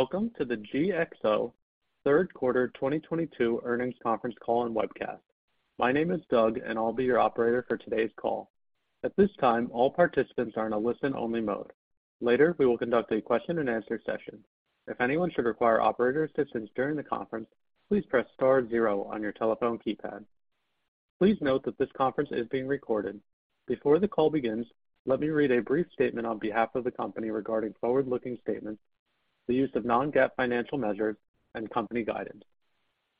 Welcome to the GXO third quarter 2022 earnings conference call and webcast. My name is Doug, and I'll be your operator for today's call. At this time, all participants are in a listen-only mode. Later, we will conduct a question-and-answer session. If anyone should require operator assistance during the conference, please press star zero on your telephone keypad. Please note that this conference is being recorded. Before the call begins, let me read a brief statement on behalf of the company regarding forward-looking statements, the use of non-GAAP financial measures, and company guidance.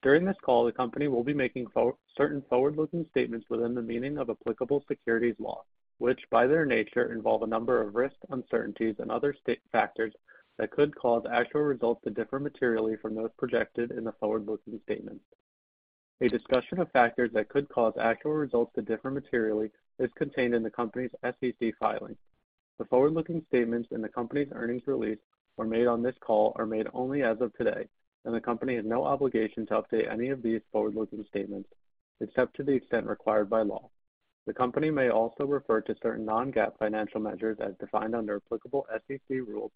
During this call, the company will be making certain forward-looking statements within the meaning of applicable securities law, which by their nature involve a number of risks, uncertainties and other factors that could cause actual results to differ materially from those projected in the forward-looking statement. A discussion of factors that could cause actual results to differ materially is contained in the company's SEC filing. The forward-looking statements in the company's earnings release are made on this call only as of today, and the company has no obligation to update any of these forward-looking statements, except to the extent required by law. The company may also refer to certain non-GAAP financial measures as defined under applicable SEC rules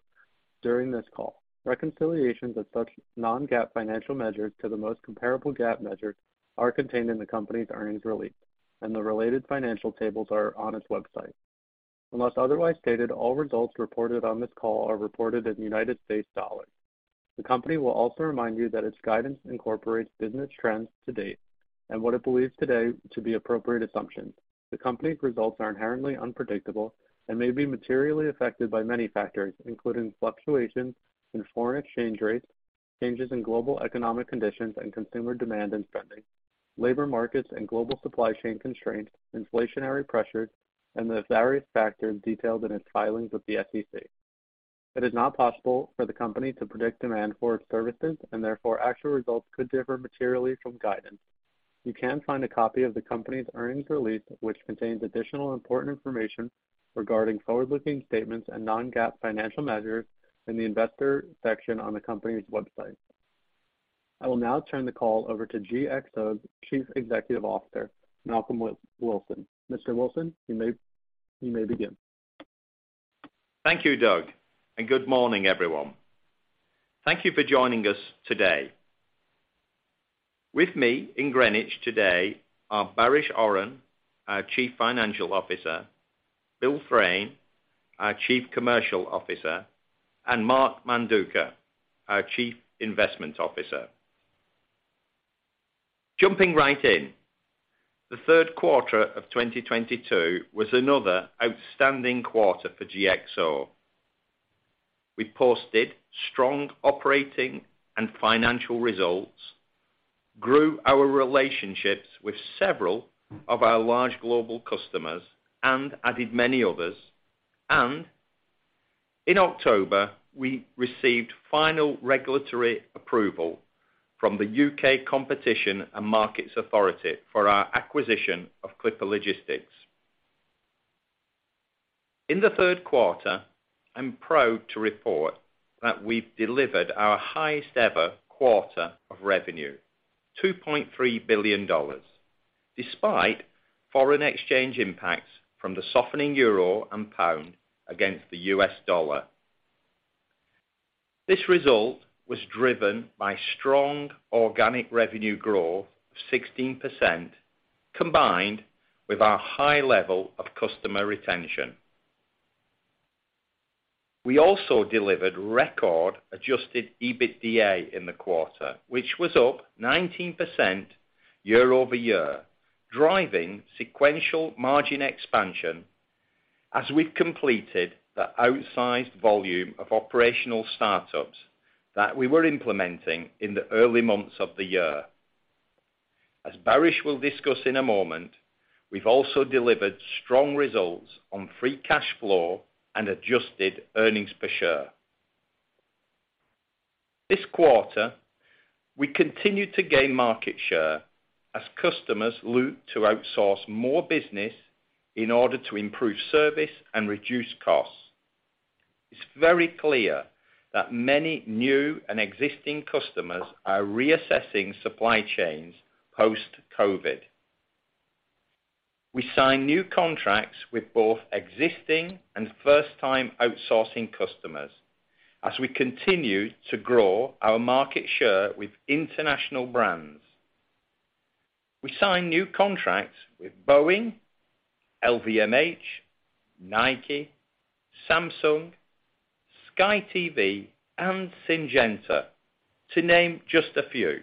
during this call. Reconciliations of such non-GAAP financial measures to the most comparable GAAP measures are contained in the company's earnings release, and the related financial tables are on its website. Unless otherwise stated, all results reported on this call are reported in United States dollars. The company will also remind you that its guidance incorporates business trends to date and what it believes today to be appropriate assumptions. The company's results are inherently unpredictable and may be materially affected by many factors, including fluctuations in foreign exchange rates, changes in global economic conditions and consumer demand and spending, labor markets and global supply chain constraints, inflationary pressures, and the various factors detailed in its filings with the SEC. It is not possible for the company to predict demand for its services, and therefore, actual results could differ materially from guidance. You can find a copy of the company's earnings release, which contains additional important information regarding forward-looking statements and non-GAAP financial measures in the investor section on the company's website. I will now turn the call over to GXO's Chief Executive Officer, Malcolm Wilson. Mr. Wilson, you may begin. Thank you, Doug, and good morning, everyone. Thank you for joining us today. With me in Greenwich today are Baris Oran, our Chief Financial Officer, Bill Fraine, our Chief Commercial Officer, and Mark Manduca, our Chief Investment Officer. Jumping right in, the third quarter of 2022 was another outstanding quarter for GXO. We posted strong operating and financial results, grew our relationships with several of our large global customers and added many others, and in October, we received final regulatory approval from the U.K. Competition and Markets Authority for our acquisition of Clipper Logistics. In the third quarter, I'm proud to report that we've delivered our highest ever quarter of revenue, $2.3 billion, despite foreign exchange impacts from the softening Euro and pound against the U.S. dollar. This result was driven by strong organic revenue growth of 16%, combined with our high level of customer retention. We also delivered record adjusted EBITDA in the quarter, which was up 19% year-over-year, driving sequential margin expansion as we've completed the outsized volume of operational startups that we were implementing in the early months of the year. As Baris will discuss in a moment, we've also delivered strong results on free cash flow and adjusted earnings per share. This quarter, we continued to gain market share as customers look to outsource more business in order to improve service and reduce costs. It's very clear that many new and existing customers are reassessing supply chains post-COVID. We signed new contracts with both existing and first-time outsourcing customers as we continue to grow our market share with international brands. We signed new contracts with Boeing, LVMH, Nike, Samsung, Sky TV, and Syngenta, to name just a few.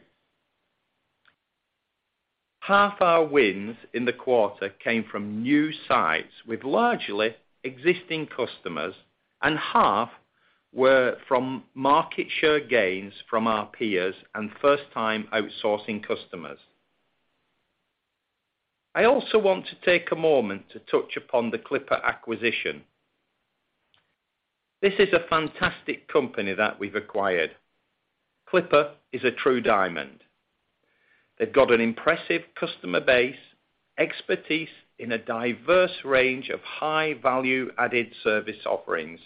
Half our wins in the quarter came from new sites with largely existing customers, and half were from market share gains from our peers and first-time outsourcing customers. I also want to take a moment to touch upon the Clipper acquisition. This is a fantastic company that we've acquired. Clipper is a true diamond. They've got an impressive customer base, expertise in a diverse range of high-value added service offerings.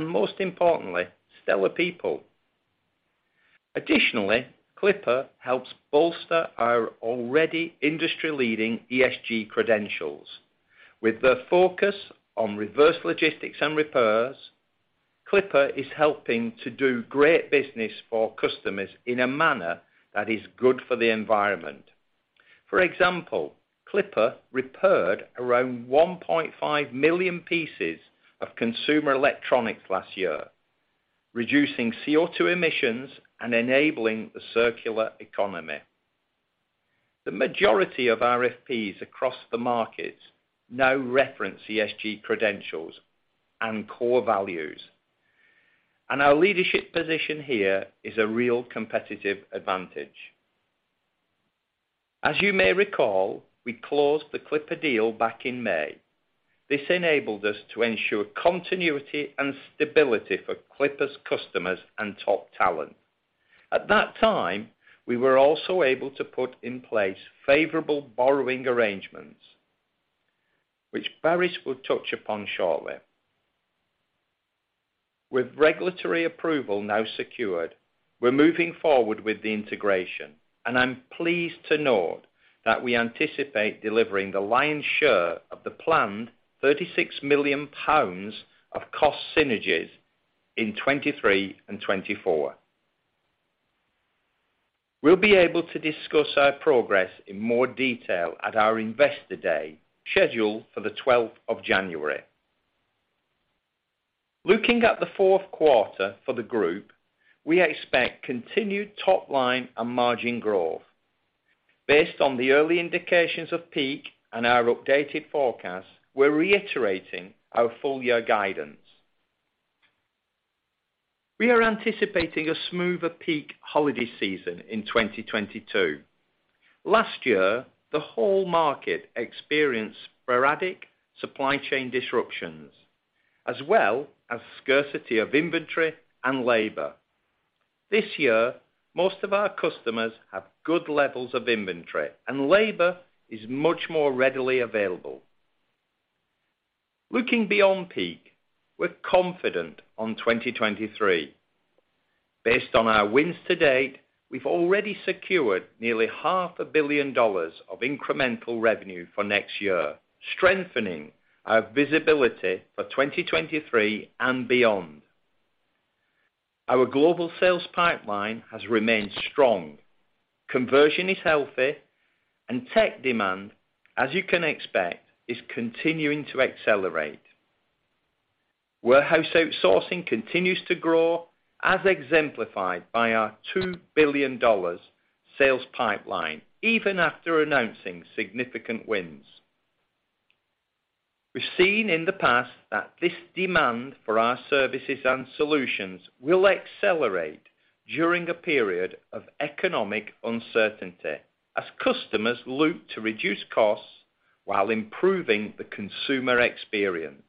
Most importantly, stellar people. Additionally, Clipper helps bolster our already industry-leading ESG credentials. With the focus on reverse logistics and repairs, Clipper is helping to do great business for customers in a manner that is good for the environment. For example, Clipper repaired around 1.5 million pieces of consumer electronics last year, reducing CO2 emissions and enabling the circular economy. The majority of RFPs across the markets now reference ESG credentials and core values, and our leadership position here is a real competitive advantage. As you may recall, we closed the Clipper deal back in May. This enabled us to ensure continuity and stability for Clipper's customers and top talent. At that time, we were also able to put in place favorable borrowing arrangements, which Baris will touch upon shortly. With regulatory approval now secured, we're moving forward with the integration, and I'm pleased to note that we anticipate delivering the lion's share of the planned 36 million pounds of cost synergies in 2023 and 2024. We'll be able to discuss our progress in more detail at our Investor Day, scheduled for the twelfth of January. Looking at the fourth quarter for the group, we expect continued top line and margin growth. Based on the early indications of peak and our updated forecast, we're reiterating our full year guidance. We are anticipating a smoother peak holiday season in 2022. Last year, the whole market experienced sporadic supply chain disruptions as well as scarcity of inventory and labor. This year, most of our customers have good levels of inventory, and labor is much more readily available. Looking beyond peak, we're confident on 2023. Based on our wins to date, we've already secured nearly half a billion dollars of incremental revenue for next year, strengthening our visibility for 2023 and beyond. Our global sales pipeline has remained strong. Conversion is healthy, and tech demand, as you can expect, is continuing to accelerate. Warehouse outsourcing continues to grow as exemplified by our $2 billion sales pipeline even after announcing significant wins. We've seen in the past that this demand for our services and solutions will accelerate during a period of economic uncertainty as customers look to reduce costs while improving the consumer experience.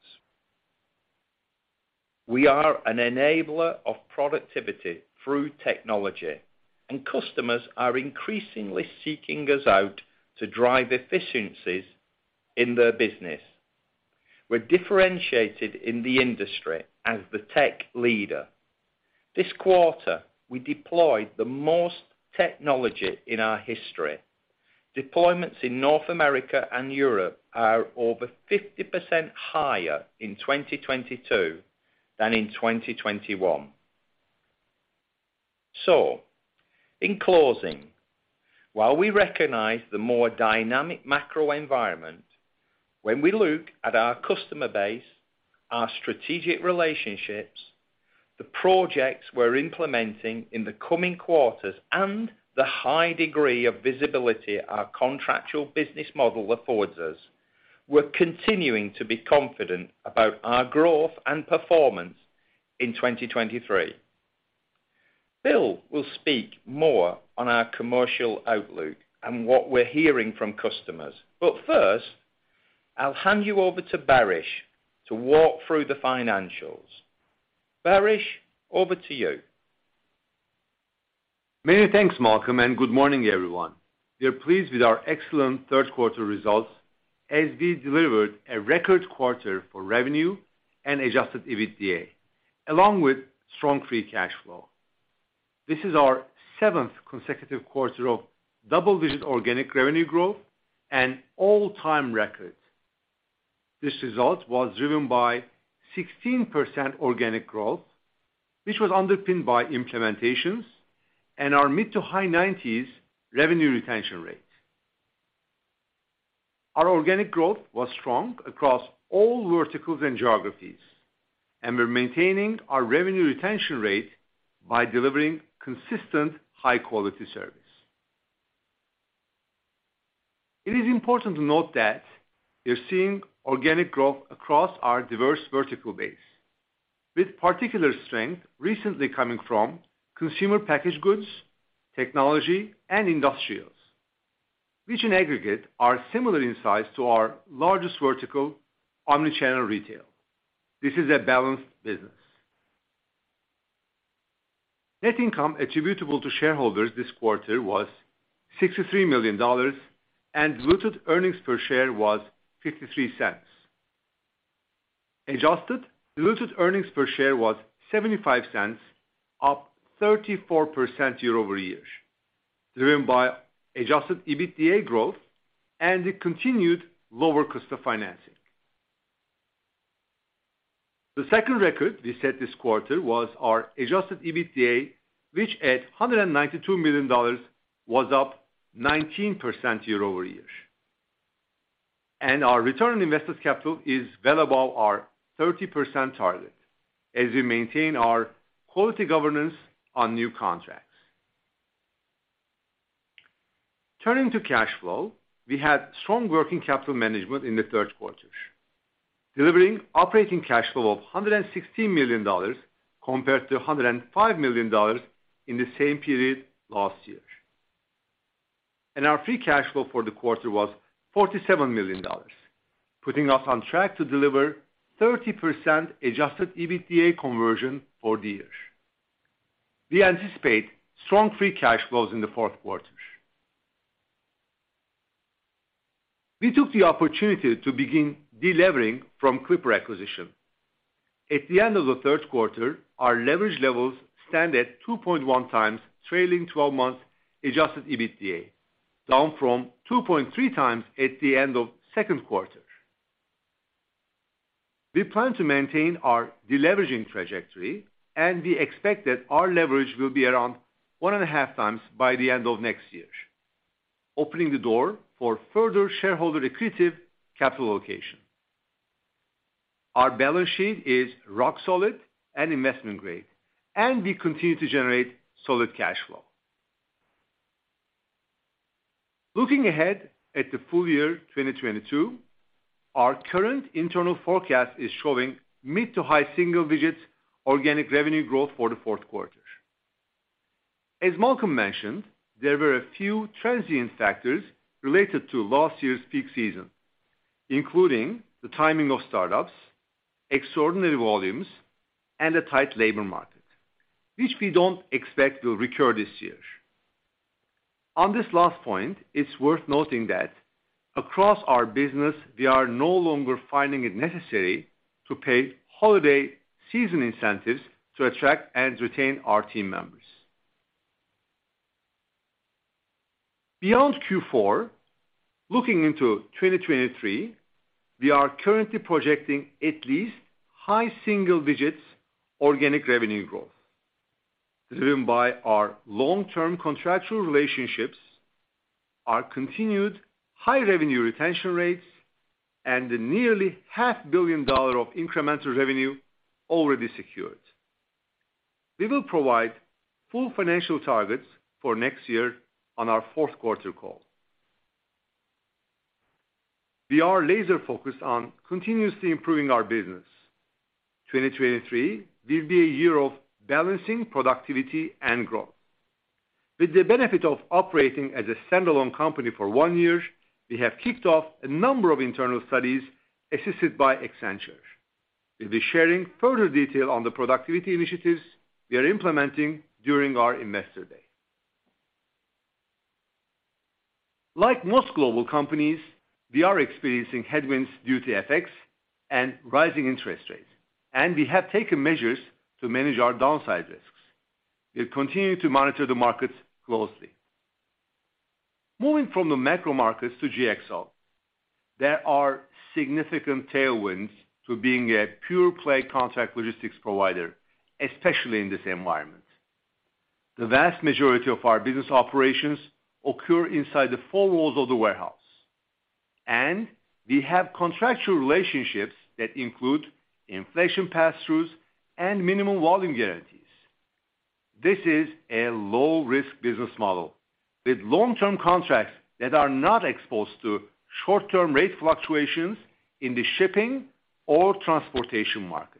We are an enabler of productivity through technology, and customers are increasingly seeking us out to drive efficiencies in their business. We're differentiated in the industry as the tech leader. This quarter, we deployed the most technology in our history. Deployments in North America and Europe are over 50% higher in 2022 than in 2021. In closing, while we recognize the more dynamic macro environment, when we look at our customer base, our strategic relationships, the projects we're implementing in the coming quarters, and the high degree of visibility our contractual business model affords us, we're continuing to be confident about our growth and performance in 2023. Bill will speak more on our commercial outlook and what we're hearing from customers. First, I'll hand you over to Baris to walk through the financials. Baris, over to you. Many thanks, Malcolm, and good morning, everyone. We are pleased with our excellent third quarter results as we delivered a record quarter for revenue and adjusted EBITDA along with strong free cash flow. This is our seventh consecutive quarter of double-digit organic revenue growth and all-time record. This result was driven by 16% organic growth, which was underpinned by implementations and our mid- to high-90s revenue retention rate. Our organic growth was strong across all verticals and geographies, and we're maintaining our revenue retention rate by delivering consistent high-quality service. It is important to note that we are seeing organic growth across our diverse vertical base, with particular strength recently coming from consumer packaged goods, technology, and industrials, which in aggregate are similar in size to our largest vertical, omnichannel retail. This is a balanced business. Net income attributable to shareholders this quarter was $63 million, and diluted earnings per share was $0.53. Adjusted diluted earnings per share was $0.75, up 34% year-over-year, driven by adjusted EBITDA growth and the continued lower cost of financing. The second record we set this quarter was our adjusted EBITDA, which at $192 million, was up 19% year-over-year. Our return on invested capital is well above our 30% target as we maintain our quality governance on new contracts. Turning to cash flow, we had strong working capital management in the third quarter, delivering operating cash flow of $116 million compared to $105 million in the same period last year. Our free cash flow for the quarter was $47 million, putting us on track to deliver 30% adjusted EBITDA conversion for the year. We anticipate strong free cash flows in the fourth quarter. We took the opportunity to begin delevering from Clipper acquisition. At the end of the third quarter, our leverage levels stand at 2.1x trailing twelve months adjusted EBITDA, down from 2.3x at the end of second quarter. We plan to maintain our deleveraging trajectory, and we expect that our leverage will be around 1.5x by the end of next year, opening the door for further shareholder accretive capital allocation. Our balance sheet is rock solid and investment grade, and we continue to generate solid cash flow. Looking ahead at the full year 2022, our current internal forecast is showing mid- to high-single-digit organic revenue growth for the fourth quarter. As Malcolm mentioned, there were a few transient factors related to last year's peak season, including the timing of startups, extraordinary volumes, and a tight labor market, which we don't expect will recur this year. On this last point, it's worth noting that across our business, we are no longer finding it necessary to pay holiday season incentives to attract and retain our team members. Beyond Q4, looking into 2023, we are currently projecting at least high-single-digit organic revenue growth, driven by our long-term contractual relationships, our continued high revenue retention rates, and the nearly half billion dollar of incremental revenue already secured. We will provide full financial targets for next year on our fourth quarter call. We are laser focused on continuously improving our business. 2023 will be a year of balancing productivity and growth. With the benefit of operating as a standalone company for one year, we have kicked off a number of internal studies assisted by Accenture. We'll be sharing further detail on the productivity initiatives we are implementing during our investor day. Like most global companies, we are experiencing headwinds due to FX and rising interest rates, and we have taken measures to manage our downside risks. We'll continue to monitor the markets closely. Moving from the macro markets to GXO, there are significant tailwinds to being a pure play contract logistics provider, especially in this environment. The vast majority of our business operations occur inside the four walls of the warehouse, and we have contractual relationships that include inflation pass-throughs and minimum volume guarantees. This is a low risk business model with long-term contracts that are not exposed to short-term rate fluctuations in the shipping or transportation markets.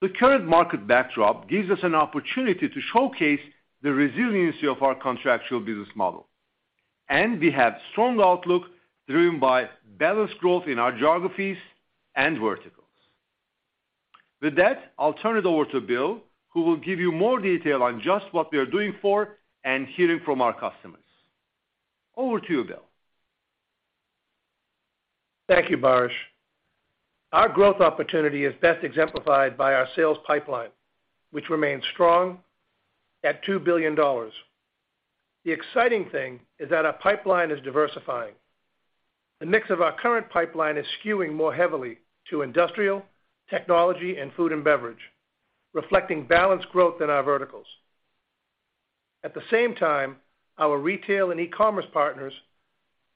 The current market backdrop gives us an opportunity to showcase the resiliency of our contractual business model, and we have strong outlook driven by balanced growth in our geographies and verticals. With that, I'll turn it over to Bill, who will give you more detail on just what we are doing for and hearing from our customers. Over to you, Bill. Thank you, Baris. Our growth opportunity is best exemplified by our sales pipeline, which remains strong at $2 billion. The exciting thing is that our pipeline is diversifying. The mix of our current pipeline is skewing more heavily to industrial, technology, and food and beverage, reflecting balanced growth in our verticals. At the same time, our retail and e-commerce partners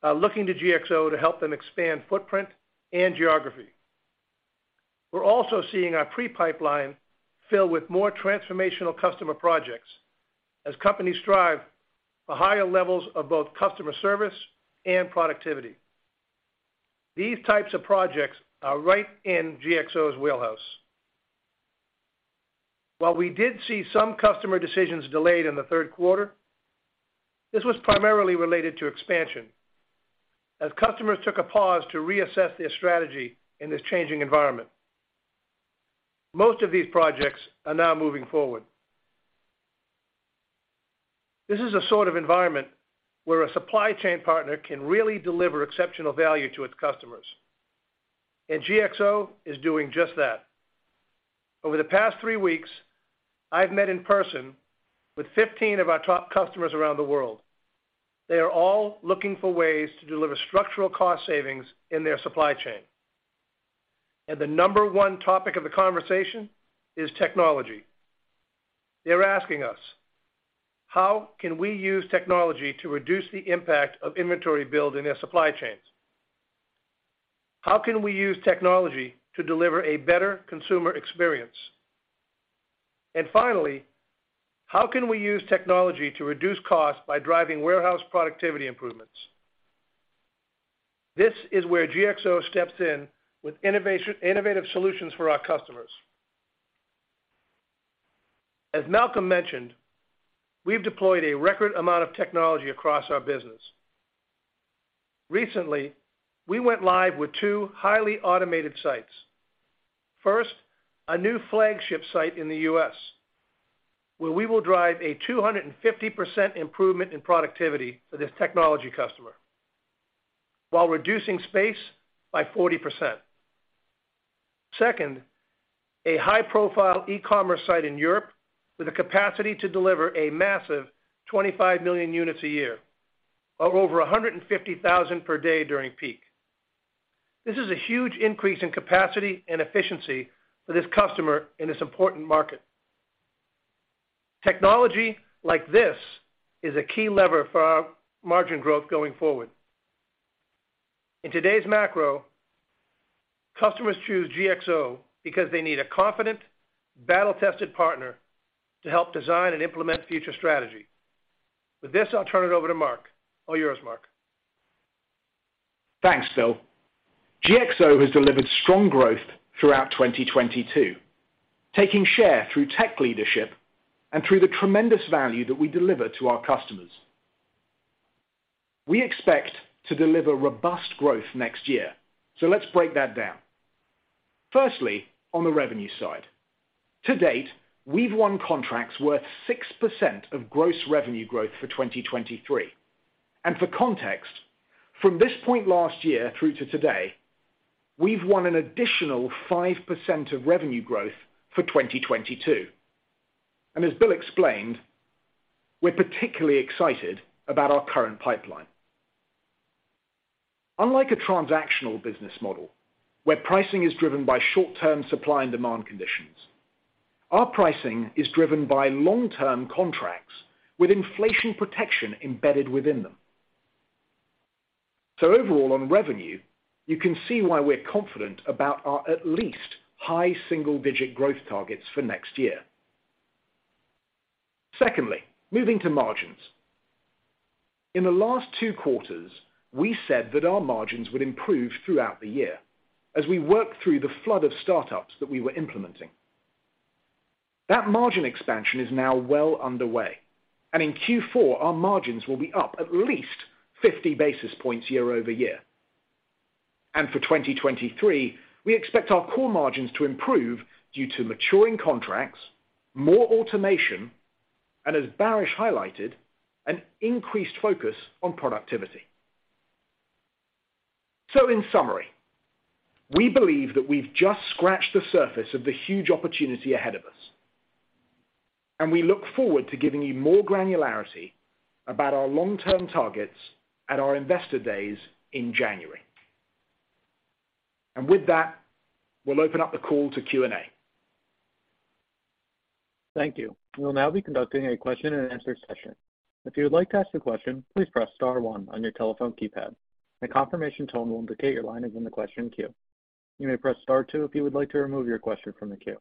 are looking to GXO to help them expand footprint and geography. We're also seeing our pre-pipeline fill with more transformational customer projects as companies strive for higher levels of both customer service and productivity. These types of projects are right in GXO's wheelhouse. While we did see some customer decisions delayed in the third quarter, this was primarily related to expansion, as customers took a pause to reassess their strategy in this changing environment. Most of these projects are now moving forward. This is a sort of environment where a supply chain partner can really deliver exceptional value to its customers. GXO is doing just that. Over the past three weeks, I've met in person with 15 of our top customers around the world. They are all looking for ways to deliver structural cost savings in their supply chain. The number one topic of the conversation is technology. They're asking us, how can we use technology to reduce the impact of inventory build in their supply chains? How can we use technology to deliver a better consumer experience? Finally, how can we use technology to reduce costs by driving warehouse productivity improvements? This is where GXO steps in with innovation, innovative solutions for our customers. As Malcolm mentioned, we've deployed a record amount of technology across our business. Recently, we went live with two highly automated sites. First, a new flagship site in the U.S., where we will drive a 250% improvement in productivity for this technology customer while reducing space by 40%. Second, a high-profile e-commerce site in Europe with a capacity to deliver a massive 25 million units a year, or over 150,000 per day during peak. This is a huge increase in capacity and efficiency for this customer in this important market. Technology like this is a key lever for our margin growth going forward. In today's macro, customers choose GXO because they need a confident, battle-tested partner to help design and implement future strategy. With this, I'll turn it over to Mark. All yours, Mark. Thanks, Bill. GXO has delivered strong growth throughout 2022, taking share through tech leadership and through the tremendous value that we deliver to our customers. We expect to deliver robust growth next year, so let's break that down. Firstly, on the revenue side. To date, we've won contracts worth 6% of gross revenue growth for 2023. For context, from this point last year through to today, we've won an additional 5% of revenue growth for 2022. As Bill explained, we're particularly excited about our current pipeline. Unlike a transactional business model, where pricing is driven by short-term supply and demand conditions, our pricing is driven by long-term contracts with inflation protection embedded within them. Overall on revenue, you can see why we're confident about our at least high single-digit growth targets for next year. Secondly, moving to margins. In the last two quarters, we said that our margins would improve throughout the year as we work through the flood of startups that we were implementing. That margin expansion is now well underway, and in Q4, our margins will be up at least 50 basis points year over year. For 2023, we expect our core margins to improve due to maturing contracts, more automation, and as Baris highlighted, an increased focus on productivity. In summary, we believe that we've just scratched the surface of the huge opportunity ahead of us. We look forward to giving you more granularity about our long-term targets at our Investor Days in January. With that, we'll open up the call to Q&A. Thank you. We will now be conducting a question-and-answer session. If you would like to ask a question, please press star one on your telephone keypad. A confirmation tone will indicate your line is in the question queue. You may press star two if you would like to remove your question from the queue.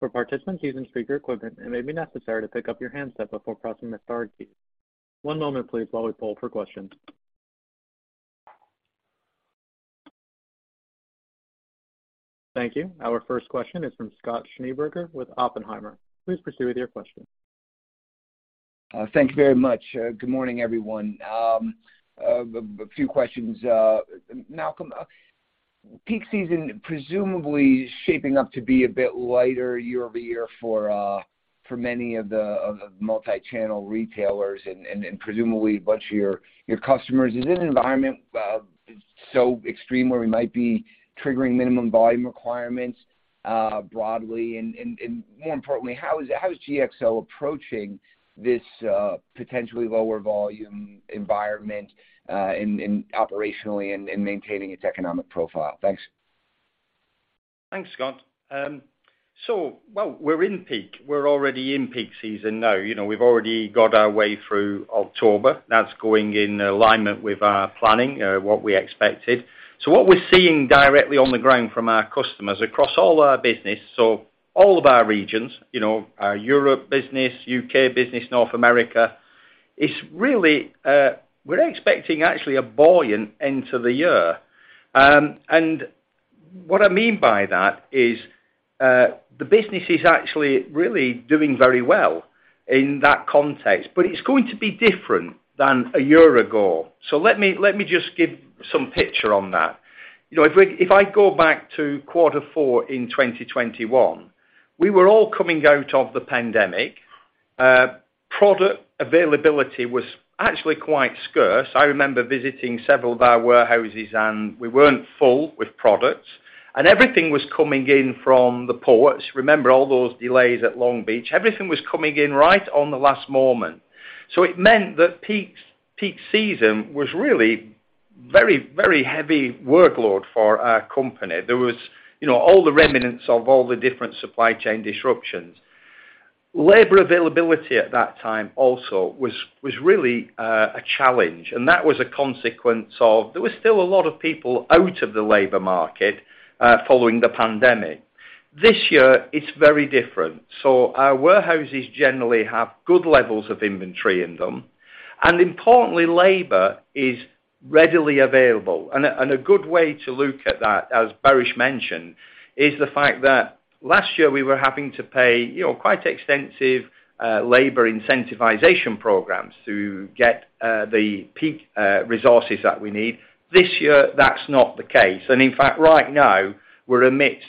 For participants using speaker equipment, it may be necessary to pick up your handset before pressing the star key. One moment, please, while we poll for questions. Thank you. Our first question is from Scott Schneeberger with Oppenheimer. Please proceed with your question. Thank you very much. Good morning, everyone. A few questions. Malcolm, peak season presumably shaping up to be a bit lighter year-over-year for many of the multi-channel retailers and presumably a bunch of your customers. Is it an environment so extreme where we might be triggering minimum volume requirements broadly? More importantly, how is GXO approaching this potentially lower volume environment operationally and maintaining its economic profile? Thanks. Thanks, Scott. Well, we're already in peak season now. You know, we've already got our way through October. That's going in alignment with our planning, what we expected. What we're seeing directly on the ground from our customers across all our business, all of our regions, you know, our Europe business, U.K. business, North America, is really, we're expecting actually a buoyant end to the year. What I mean by that is, the business is actually really doing very well in that context, but it's going to be different than a year ago. Let me just give some picture on that. You know, if I go back to quarter four in 2021, we were all coming out of the pandemic. Product availability was actually quite scarce. I remember visiting several of our warehouses, and we weren't full with products, and everything was coming in from the ports. Remember all those delays at Long Beach. Everything was coming in right on the last moment. It meant that peak season was really very heavy workload for our company. There was, you know, all the remnants of all the different supply chain disruptions. Labor availability at that time also was really a challenge, and that was a consequence of there were still a lot of people out of the labor market following the pandemic. This year, it's very different. Our warehouses generally have good levels of inventory in them, and importantly, labor is readily available. A good way to look at that, as Baris mentioned, is the fact that last year we were having to pay, you know, quite extensive labor incentivization programs to get the peak resources that we need. This year, that's not the case. In fact, right now, we're amidst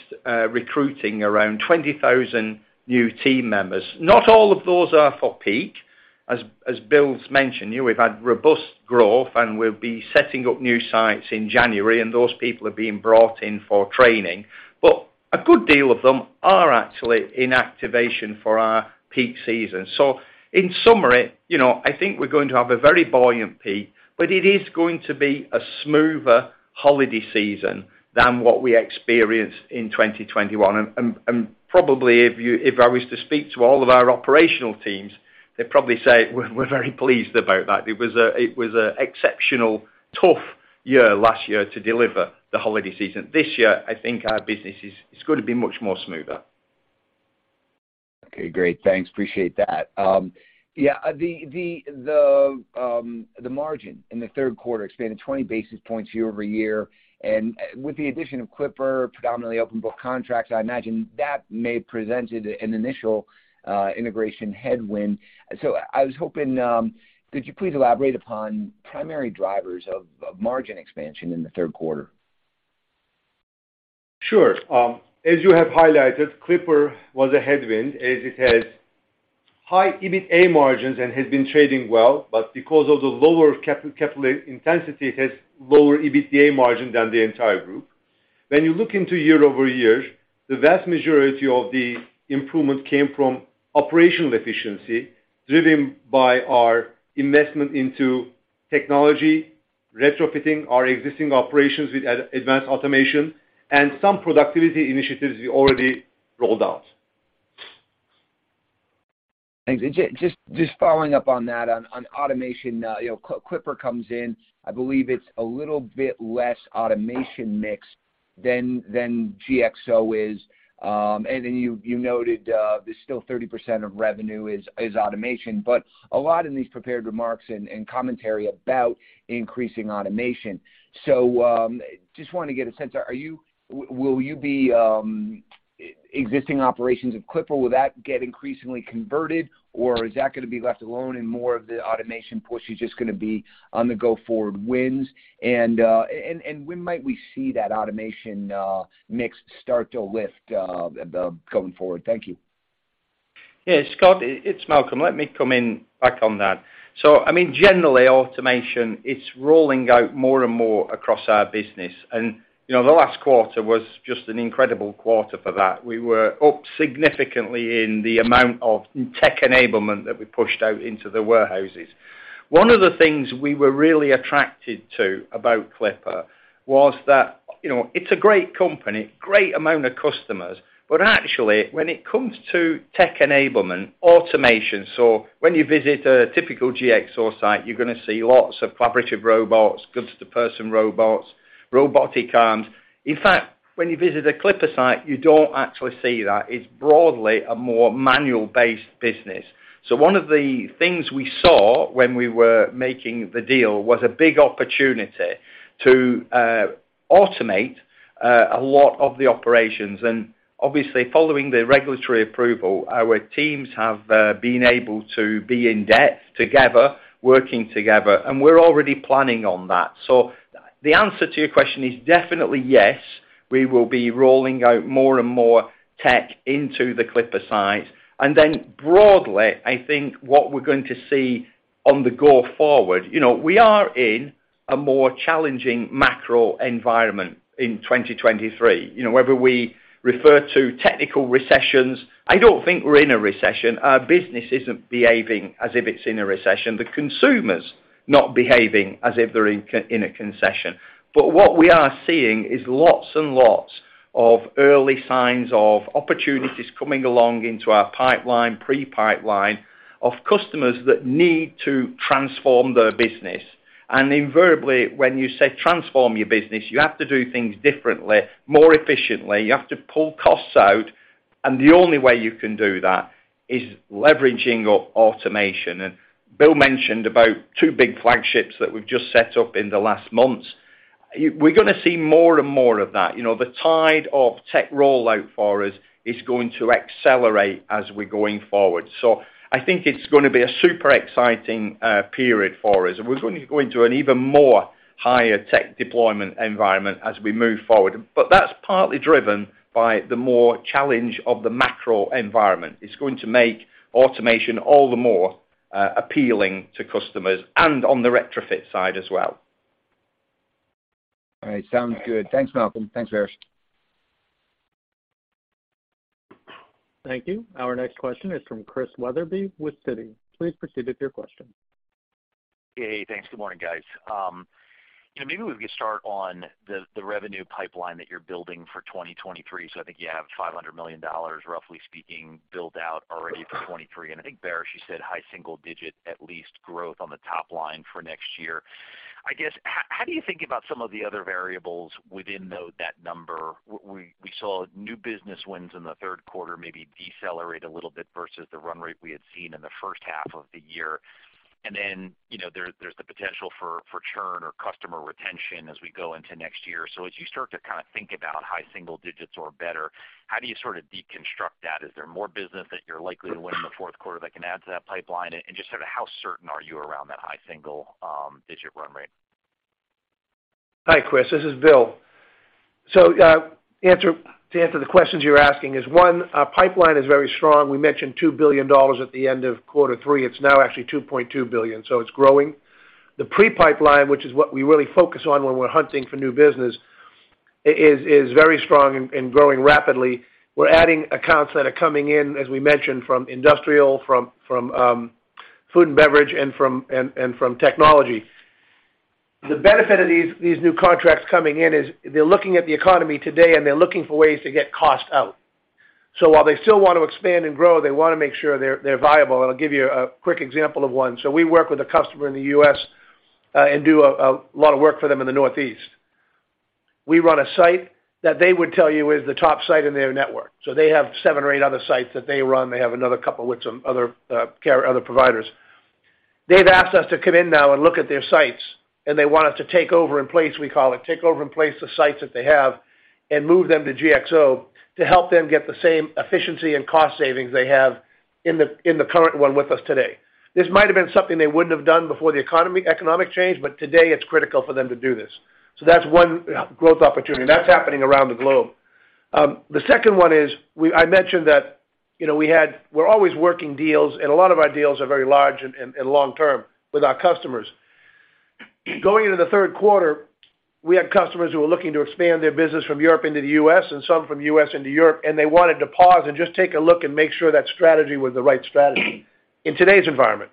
recruiting around 20,000 new team members. Not all of those are for peak, as Bill's mentioned. You know, we've had robust growth, and we'll be setting up new sites in January, and those people are being brought in for training. A good deal of them are actually in activation for our peak season. In summary, you know, I think we're going to have a very buoyant peak, but it is going to be a smoother holiday season than what we experienced in 2021. Probably if I was to speak to all of our operational teams, they'd probably say we're very pleased about that. It was a exceptional, tough year last year to deliver the holiday season. This year, I think our business is, it's gonna be much more smoother. Okay, great. Thanks. Appreciate that. The margin in the third quarter expanded 20 basis points year-over-year. With the addition of Clipper, predominantly open book contracts, I imagine that may have presented an initial integration headwind. I was hoping, could you please elaborate upon primary drivers of margin expansion in the third quarter? Sure. As you have highlighted, Clipper was a headwind as it has high EBITDA margins and has been trading well, but because of the lower capital intensity, it has lower EBITDA margin than the entire group. When you look into year-over-year, the vast majority of the improvement came from operational efficiency, driven by our investment into technology, retrofitting our existing operations with advanced automation, and some productivity initiatives we already rolled out. Thanks. Just following up on that, on automation, you know, Clipper comes in. I believe it's a little bit less automation mix than GXO is. And then you noted, there's still 30% of revenue is automation. A lot in these prepared remarks and commentary about increasing automation. Just wanna get a sense. Will existing operations of Clipper get increasingly converted, or is that gonna be left alone and more of the automation push is just gonna be on the go-forward wins? And when might we see that automation mix start to lift going forward? Thank you. Yeah, Scott, it's Malcolm. Let me come back in on that. I mean, generally, automation, it's rolling out more and more across our business. You know, the last quarter was just an incredible quarter for that. We were up significantly in the amount of tech enablement that we pushed out into the warehouses. One of the things we were really attracted to about Clipper was that, you know, it's a great company, great amount of customers, but actually, when it comes to tech enablement, automation. When you visit a typical GXO site, you're gonna see lots of collaborative robots, goods-to-person robots, robotic arms. In fact, when you visit a Clipper site, you don't actually see that. It's broadly a more manual-based business. One of the things we saw when we were making the deal was a big opportunity to automate a lot of the operations. Obviously, following the regulatory approval, our teams have been able to be in depth together, working together, and we're already planning on that. The answer to your question is definitely yes, we will be rolling out more and more tech into the Clipper sites. Then broadly, I think what we're going to see on the go forward, you know, we are in a more challenging macro environment in 2023. You know, whether we refer to technical recessions, I don't think we're in a recession. Our business isn't behaving as if it's in a recession. The consumer's not behaving as if they're in a recession. What we are seeing is lots and lots of early signs of opportunities coming along into our pipeline, pre-pipeline of customers that need to transform their business. Invariably, when you say transform your business, you have to do things differently, more efficiently. You have to pull costs out, and the only way you can do that is leveraging of automation. Bill mentioned about two big flagships that we've just set up in the last months. We're gonna see more and more of that. You know, the tide of tech rollout for us is going to accelerate as we're going forward. I think it's gonna be a super exciting period for us, and we're going to go into an even more Higher tech deployment environment as we move forward. That's partly driven by the more challenging macro environment. It's going to make automation all the more appealing to customers and on the retrofit side as well. All right. Sounds good. Thanks, Malcolm. Thanks, Baris. Thank you. Our next question is from Christian Wetherbee with Citi. Please proceed with your question. Hey. Thanks. Good morning, guys. You know, maybe we could start on the revenue pipeline that you're building for 2023. I think you have $500 million, roughly speaking, built out already for 2023. I think Baris, you said high single digit, at least, growth on the top line for next year. I guess, how do you think about some of the other variables within though that number? We saw new business wins in the third quarter, maybe decelerate a little bit versus the run rate we had seen in the first half of the year. You know, there's the potential for churn or customer retention as we go into next year. As you start to kind of think about high single digits or better, how do you sort of deconstruct that? Is there more business that you're likely to win in the fourth quarter that can add to that pipeline? Just sort of how certain are you around that high single digit run rate? Hi, Chris. This is Bill. To answer the questions you're asking is, one, our pipeline is very strong. We mentioned $2 billion at the end of quarter three. It's now actually $2.2 billion, so it's growing. The pre-pipeline, which is what we really focus on when we're hunting for new business is very strong and growing rapidly. We're adding accounts that are coming in, as we mentioned, from industrial, from food and beverage, and from technology. The benefit of these new contracts coming in is they're looking at the economy today, and they're looking for ways to get cost out. While they still want to expand and grow, they wanna make sure they're viable. I'll give you a quick example of one. We work with a customer in the U.S., and do a lot of work for them in the Northeast. We run a site that they would tell you is the top site in their network. They have seven or eight other sites that they run. They have another couple with some other providers. They've asked us to come in now and look at their sites, and they want us to take over in place, we call it, take over in place the sites that they have and move them to GXO to help them get the same efficiency and cost savings they have in the current one with us today. This might have been something they wouldn't have done before the economic change, but today it's critical for them to do this. That's one growth opportunity, and that's happening around the globe. The second one is I mentioned that, you know, we're always working deals, and a lot of our deals are very large and long term with our customers. Going into the third quarter, we had customers who were looking to expand their business from Europe into the U.S. and some from U.S. into Europe, and they wanted to pause and just take a look and make sure that strategy was the right strategy in today's environment.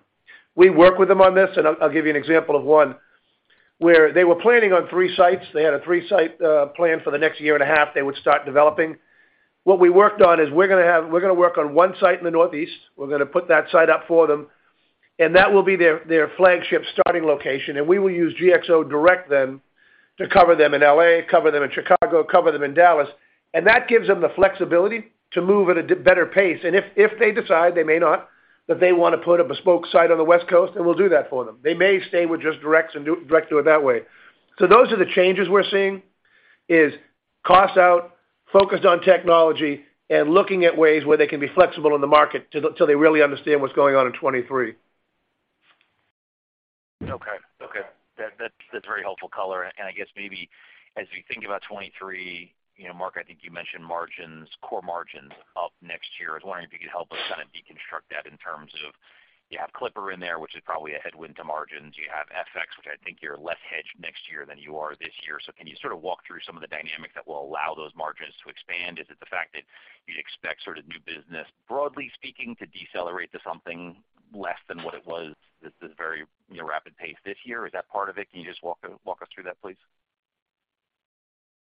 We work with them on this, and I'll give you an example of one, where they were planning on three sites. They had a three-site plan for the next year and a half they would start developing. What we worked on is we're gonna work on one site in the Northeast. We're gonna put that site up for them, and that will be their flagship starting location. We will use GXO Direct then to cover them in L.A., cover them in Chicago, cover them in Dallas. That gives them the flexibility to move at a better pace. If they decide, they may not, that they wanna put a bespoke site on the West Coast, then we'll do that for them. They may stay with just direct and direct do it that way. Those are the changes we're seeing is cost out, focused on technology, and looking at ways where they can be flexible in the market till they really understand what's going on in 2023. Okay. That's very helpful color. I guess maybe as we think about 2023, you know, Mark, I think you mentioned margins, core margins up next year. I was wondering if you could help us kind of deconstruct that in terms of you have Clipper in there, which is probably a headwind to margins. You have FX, which I think you're less hedged next year than you are this year. Can you sort of walk through some of the dynamics that will allow those margins to expand? Is it the fact that you'd expect sort of new business, broadly speaking, to decelerate to something less than what it was at this very, you know, rapid pace this year? Is that part of it? Can you just walk us through that, please?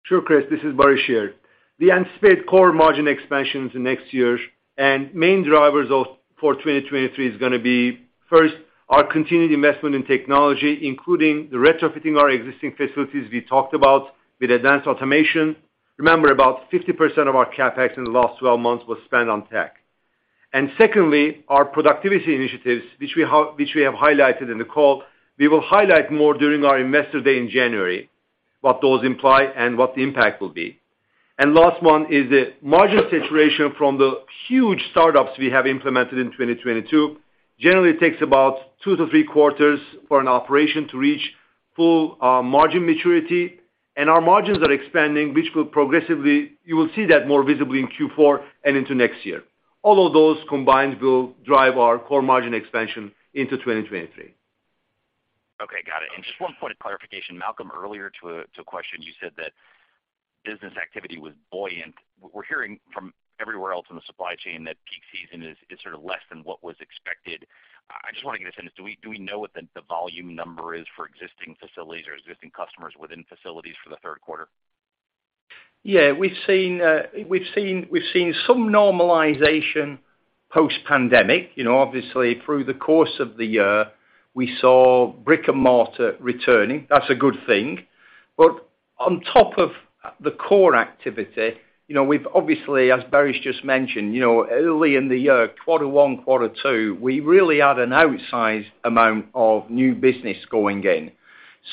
Sure, Chris. This is Baris here. The anticipated core margin expansions in next year and main drivers of for 2023 is gonna be, first, our continued investment in technology, including the retrofitting our existing facilities we talked about with advanced automation. Remember, about 50% of our CapEx in the last 12 months was spent on tech. Secondly, our productivity initiatives, which we have highlighted in the call, we will highlight more during our Investor Day in January, what those imply and what the impact will be. Last one is the margin saturation from the huge startups we have implemented in 2022. Generally, it takes about 2-3 quarters for an operation to reach full margin maturity. Our margins are expanding, which will progressively. You will see that more visibly in Q4 and into next year. All of those combined will drive our core margin expansion into 2023. Okay. Got it. Just one point of clarification, Malcolm, earlier to a question, you said that business activity was buoyant. We're hearing from everywhere else in the supply chain that peak season is sort of less than what was expected. I just wanna get a sense. Do we know what the volume number is for existing facilities or existing customers within facilities for the third quarter? Yeah. We've seen some normalization post-pandemic. You know, obviously, through the course of the year, we saw brick-and-mortar returning. That's a good thing. On top of the core activity, you know, we've obviously, as Baris just mentioned, you know, early in the year, quarter one, quarter two, we really had an outsized amount of new business going in.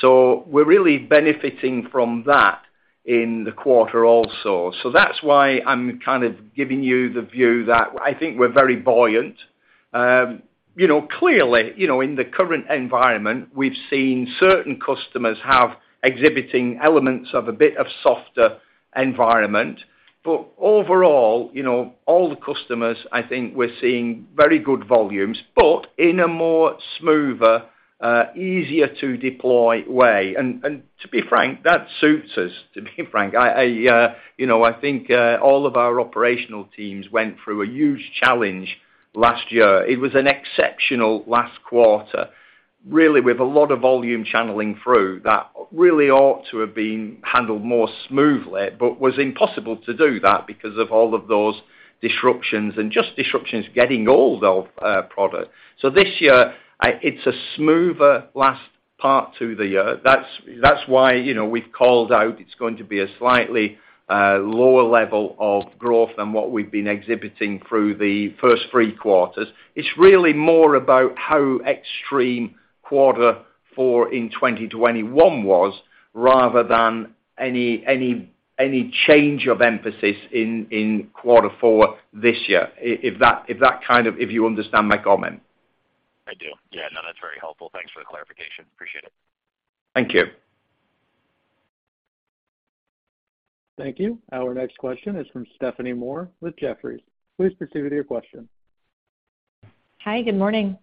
We're really benefiting from that in the quarter also. That's why I'm kind of giving you the view that I think we're very buoyant. You know, clearly, you know, in the current environment, we've seen certain customers having exhibiting elements of a bit of softer environment. Overall, you know, all the customers, I think we're seeing very good volumes, but in a more smoother, easier to deploy way. To be frank, that suits us, to be frank. You know, I think all of our operational teams went through a huge challenge last year. It was an exceptional last quarter, really with a lot of volume channeling through that really ought to have been handled more smoothly, but was impossible to do that because of all of those disruptions and just disruptions getting all the product. This year, it's a smoother last part to the year. That's why, you know, we've called out, it's going to be a slightly lower level of growth than what we've been exhibiting through the first three quarters. It's really more about how extreme quarter four in 2021 was rather than any change of emphasis in quarter four this year. If you understand my comment. I do. Yeah. No, that's very helpful. Thanks for the clarification. Appreciate it. Thank you. Thank you. Our next question is from Stephanie Moore with Jefferies. Please proceed with your question. Hi, good morning.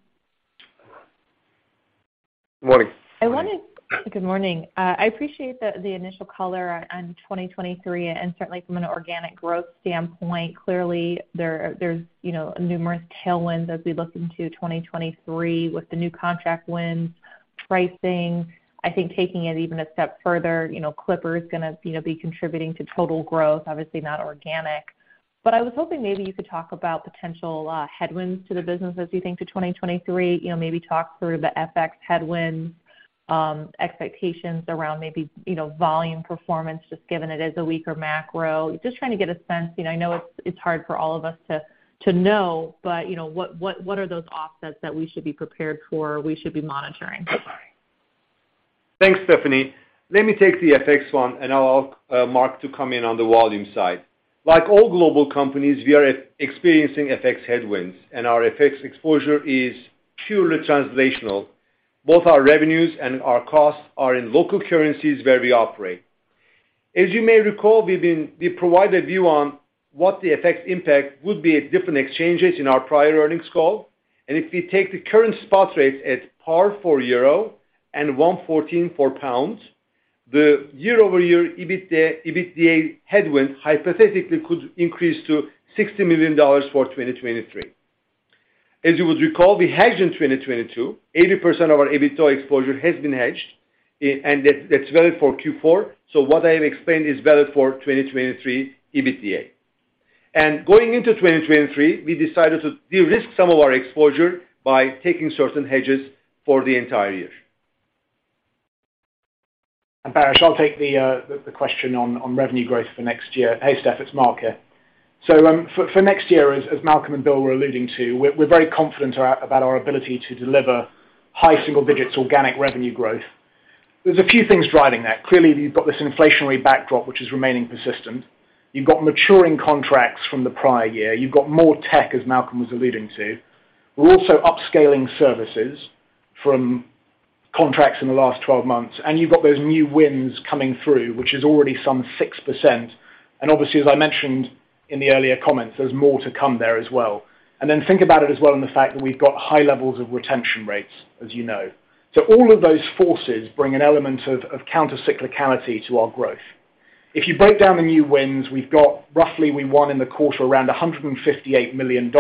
Morning. I wanted- Yeah. Good morning. I appreciate the initial color on 2023, and certainly from an organic growth standpoint. Clearly there's, you know, numerous tailwinds as we look into 2023 with the new contract wins, pricing. I think taking it even a step further, you know, Clipper is gonna, you know, be contributing to total growth, obviously not organic. I was hoping maybe you could talk about potential headwinds to the business as you think to 2023. You know, maybe talk through the FX headwinds, expectations around maybe, you know, volume performance, just given it is a weaker macro. Just trying to get a sense. You know, I know it's hard for all of us to know, but, you know, what are those offsets that we should be prepared for, we should be monitoring? Thanks, Stephanie. Let me take the FX one, and I'll have Mark come in on the volume side. Like all global companies, we are experiencing FX headwinds, and our FX exposure is purely translational. Both our revenues and our costs are in local currencies where we operate. As you may recall, we provided view on what the FX impact would be at different exchanges in our prior earnings call. If we take the current spot rates at par for euro and 1.14 for pounds, the year-over-year EBIT, EBITDA headwind hypothetically could increase to $60 million for 2023. As you would recall, we hedged in 2022, 80% of our EBITDA exposure has been hedged and that's valid for Q4. What I have explained is valid for 2023 EBITDA. Going into 2023, we decided to de-risk some of our exposure by taking certain hedges for the entire year. Baris, I'll take the question on revenue growth for next year. Hey, Steph. It's Mark here. For next year, as Malcolm and Bill were alluding to, we're very confident about our ability to deliver high single digits organic revenue growth. There's a few things driving that. Clearly, you've got this inflationary backdrop, which is remaining persistent. You've got maturing contracts from the prior year. You've got more tech, as Malcolm was alluding to. We're also upscaling services from contracts in the last 12 months, and you've got those new wins coming through, which is already some 6%. Obviously, as I mentioned in the earlier comments, there's more to come there as well. Then think about it as well in the fact that we've got high levels of retention rates, as you know. All of those forces bring an element of countercyclicality to our growth. If you break down the new wins, we won in the quarter around $158 million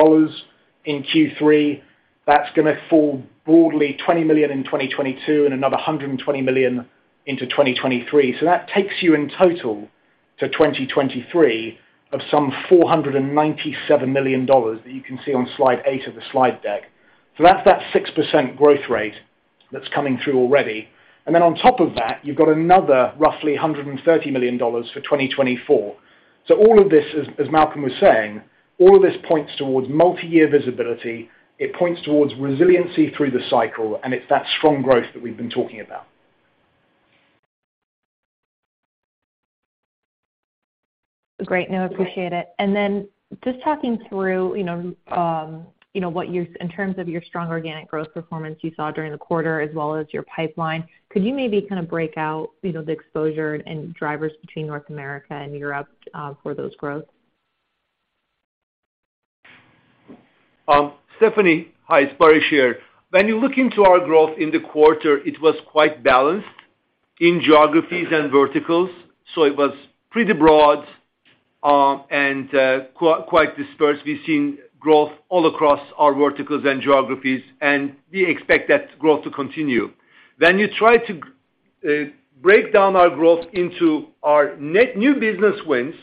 in Q3. That's gonna fall broadly $20 million in 2022 and another $120 million into 2023. That takes you in total to 2023 of some $497 million that you can see on slide 8 of the slide deck. That's the 6% growth rate that's coming through already. Then on top of that, you've got another roughly $130 million for 2024. All of this, as Malcolm was saying, points towards multi-year visibility. It points towards resiliency through the cycle, and it's that strong growth that we've been talking about. Great. No, appreciate it. Just talking through, you know, what in terms of your strong organic growth performance you saw during the quarter as well as your pipeline, could you maybe kind of break out, you know, the exposure and drivers between North America and Europe, for those growth? Stephanie. Hi, it's Baris here. When you look into our growth in the quarter, it was quite balanced in geographies and verticals, so it was pretty broad, and quite dispersed. We've seen growth all across our verticals and geographies, and we expect that growth to continue. When you try to break down our growth into our net new business wins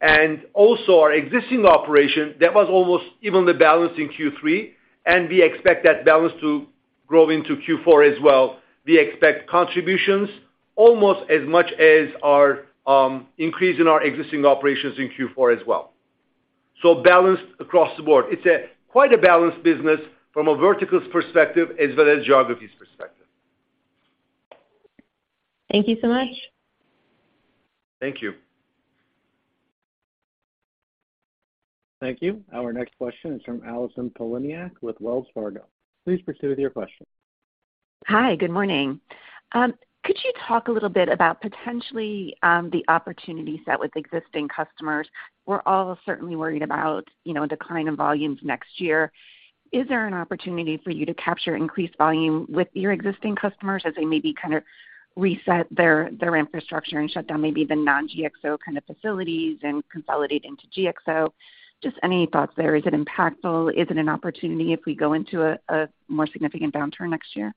and also our existing operation, that was almost evenly balanced in Q3, and we expect that balance to grow into Q4 as well. We expect contributions almost as much as our increase in our existing operations in Q4 as well. Balanced across the board. It's a quite a balanced business from a verticals perspective as well as geographies perspective. Thank you so much. Thank you. Thank you. Our next question is from Allison Poliniak-Cusic with Wells Fargo. Please proceed with your question. Hi, good morning. Could you talk a little bit about potentially the opportunity set with existing customers? We're all certainly worried about, you know, decline in volumes next year. Is there an opportunity for you to capture increased volume with your existing customers as they maybe kind of reset their infrastructure and shut down maybe the non-GXO kind of facilities and consolidate into GXO? Just any thoughts there. Is it impactful? Is it an opportunity if we go into a more significant downturn next year?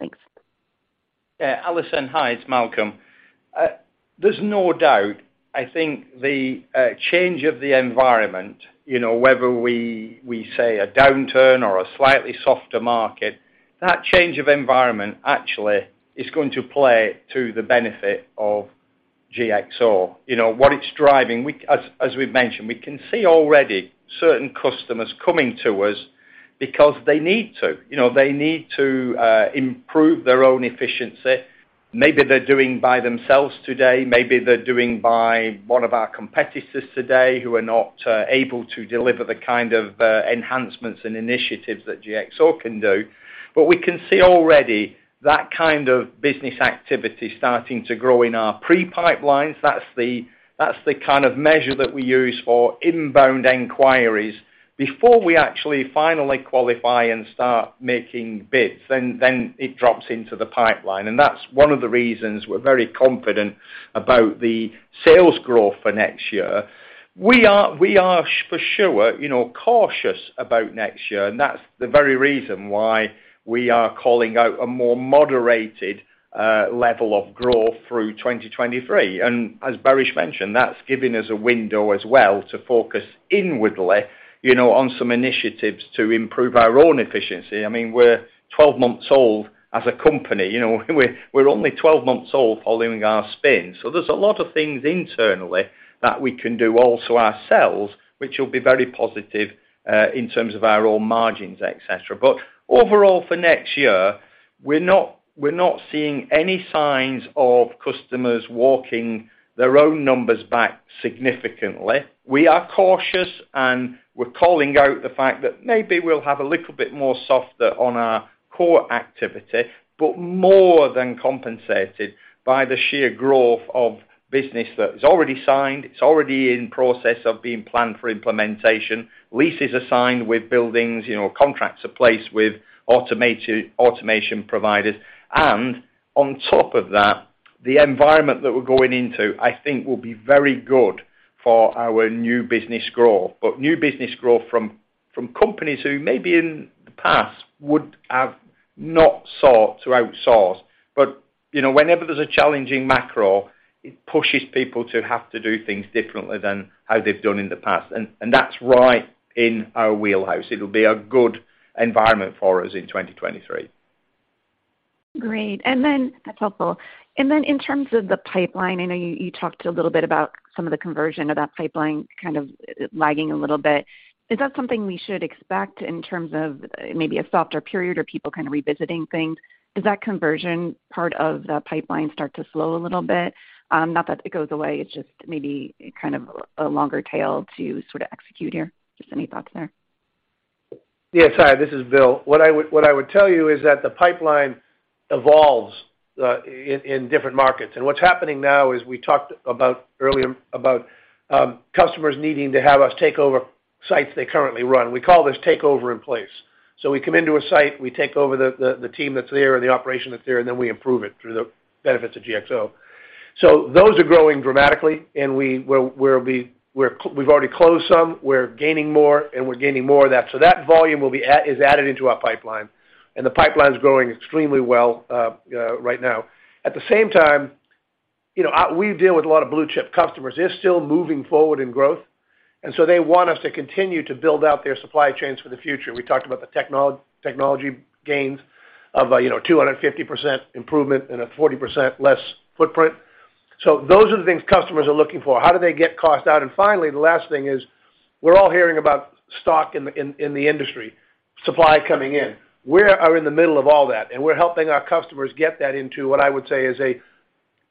Thanks. Yeah, Allison, hi, it's Malcolm. There's no doubt, I think the change of the environment, you know, whether we say a downturn or a slightly softer market, that change of environment actually is going to play to the benefit of GXO. You know, what it's driving, as we've mentioned, we can see already certain customers coming to us because they need to. You know, they need to improve their own efficiency. Maybe they're doing by themselves today, maybe they're doing by one of our competitors today who are not able to deliver the kind of enhancements and initiatives that GXO can do. But we can see already that kind of business activity starting to grow in our pipelines. That's the kind of measure that we use for inbound inquiries before we actually finally qualify and start making bids, then it drops into the pipeline. That's one of the reasons we're very confident about the sales growth for next year. We are for sure, you know, cautious about next year, and that's the very reason why we are calling out a more moderated level of growth through 2023. As Baris mentioned, that's given us a window as well to focus inwardly, you know, on some initiatives to improve our own efficiency. I mean, we're 12 months old as a company. We're only 12 months old following our spin. There's a lot of things internally that we can do also ourselves, which will be very positive in terms of our own margins, et cetera. Overall for next year, we're not seeing any signs of customers walking their own numbers back significantly. We are cautious, and we're calling out the fact that maybe we'll have a little bit more softer on our core activity, but more than compensated by the sheer growth of business that is already signed, it's already in process of being planned for implementation. Leases are signed with buildings, you know, contracts are placed with automation providers. On top of that, the environment that we're going into, I think will be very good for our new business growth. New business growth from companies who maybe in the past would have not sought to outsource. You know, whenever there's a challenging macro, it pushes people to have to do things differently than how they've done in the past. That's right in our wheelhouse. It'll be a good environment for us in 2023. Great. That's helpful. In terms of the pipeline, I know you talked a little bit about some of the conversion of that pipeline kind of lagging a little bit. Is that something we should expect in terms of maybe a softer period or people kind of revisiting things? Does that conversion part of the pipeline start to slow a little bit? Not that it goes away, it's just maybe kind of a longer tail to sort of execute here. Just any thoughts there? Yes. Hi, this is Bill. What I would tell you is that the pipeline evolves in different markets. What's happening now is we talked about earlier about customers needing to have us take over sites they currently run. We call this takeover in place. We come into a site, we take over the team that's there and the operation that's there, and then we improve it through the benefits of GXO. Those are growing dramatically, and we've already closed some, we're gaining more, and we're gaining more of that. That volume is added into our pipeline, and the pipeline's growing extremely well right now. At the same time, you know, we deal with a lot of blue chip customers. They're still moving forward in growth, and so they want us to continue to build out their supply chains for the future. We talked about the technology gains of, you know, 250% improvement and a 40% less footprint. Those are the things customers are looking for. How do they get cost out? Finally, the last thing is we're all hearing about stock in the industry, supply coming in. We're in the middle of all that, and we're helping our customers get that into what I would say is a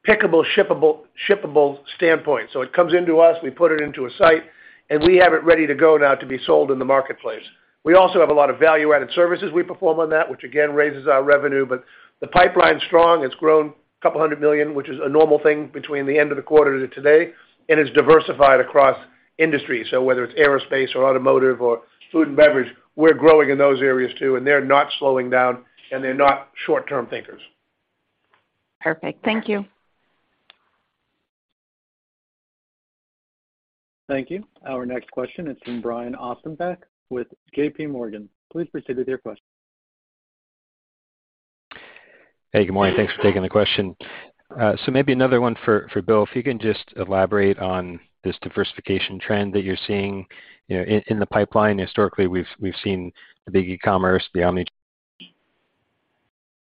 pickable, shippable standpoint. It comes into us, we put it into a site, and we have it ready to go now to be sold in the marketplace. We also have a lot of value-added services we perform on that, which again, raises our revenue. The pipeline's strong. It's grown $200 million, which is a normal thing between the end of the quarter to today, and is diversified across industries. Whether it's aerospace or automotive or food and beverage, we're growing in those areas too, and they're not slowing down, and they're not short-term thinkers. Perfect. Thank you. Thank you. Our next question is from Brian Ossenbeck with JPMorgan. Please proceed with your question. Hey, good morning. Thanks for taking the question. Maybe another one for Bill. If you can just elaborate on this diversification trend that you're seeing, you know, in the pipeline. Historically, we've seen the big e-commerce beyond the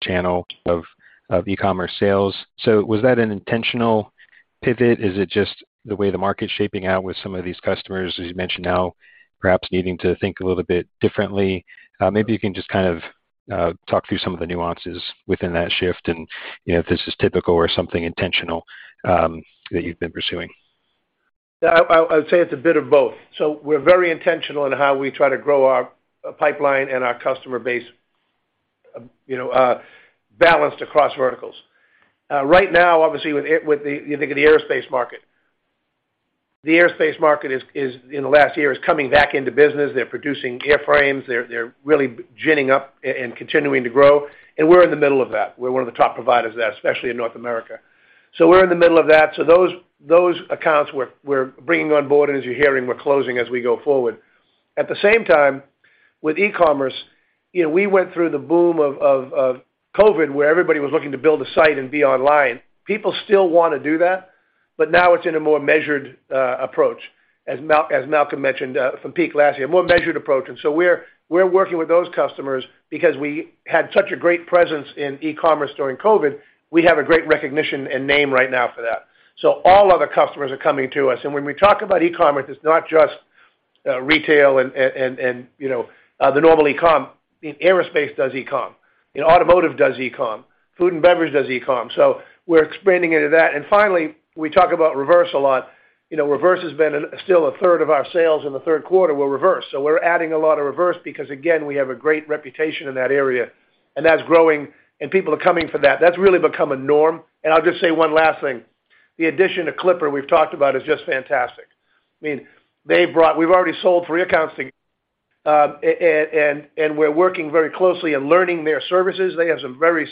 channel of e-commerce sales. Was that an intentional pivot? Is it just the way the market's shaping out with some of these customers, as you mentioned now perhaps needing to think a little bit differently? Maybe you can just talk through some of the nuances within that shift and, you know, if this is typical or something intentional that you've been pursuing. Yeah, I'll say it's a bit of both. We're very intentional in how we try to grow our pipeline and our customer base, you know, balanced across verticals. Right now, obviously, you think of the aerospace market. The aerospace market is in the last year coming back into business. They're producing airframes. They're really ginning up and continuing to grow, and we're in the middle of that. We're one of the top providers there, especially in North America. Those accounts we're bringing on board, and as you're hearing, we're closing as we go forward. At the same time, with e-commerce, you know, we went through the boom of COVID, where everybody was looking to build a site and be online. People still wanna do that, but now it's in a more measured approach, as Malcolm mentioned, from peak last year, a more measured approach. We're working with those customers because we had such a great presence in e-commerce during COVID. We have a great recognition and name right now for that. All of the customers are coming to us. When we talk about e-commerce, it's not just retail and, you know, the normal e-com. Aerospace does e-com. You know, automotive does e-com. Food and beverage does e-com. We're expanding into that. Finally, we talk about reverse a lot. You know, reverse has been still a third of our sales in the third quarter were reverse. We're adding a lot of reverse because, again, we have a great reputation in that area, and that's growing and people are coming for that. That's really become a norm. I'll just say one last thing. The addition to Clipper we've talked about is just fantastic. I mean, we've already sold three accounts to Clipper, and we're working very closely and learning their services. They have some very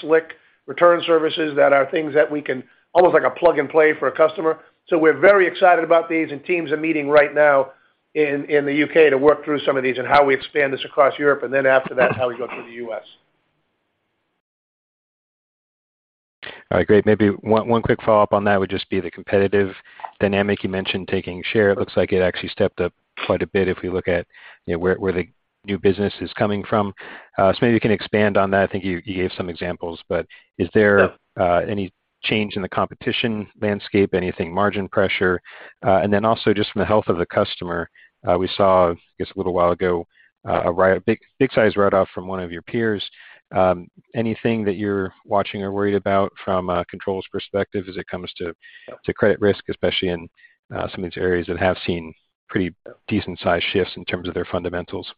slick return services that are things that we can almost like a plug and play for a customer. We're very excited about these, and teams are meeting right now in the U.K. to work through some of these and how we expand this across Europe, and then after that, how we go through the U.S. All right, great. Maybe one quick follow-up on that would just be the competitive dynamic. You mentioned taking share. It looks like it actually stepped up quite a bit if we look at, you know, where the new business is coming from. So maybe you can expand on that. I think you gave some examples. But is there any change in the competition landscape? Anything margin pressure? And then also just from the health of the customer, we saw, I guess, a little while ago, a big size write-off from one of your peers. Anything that you're watching or worried about from a controls perspective as it comes to credit risk, especially in some of these areas that have seen pretty decent size shifts in terms of their fundamentals?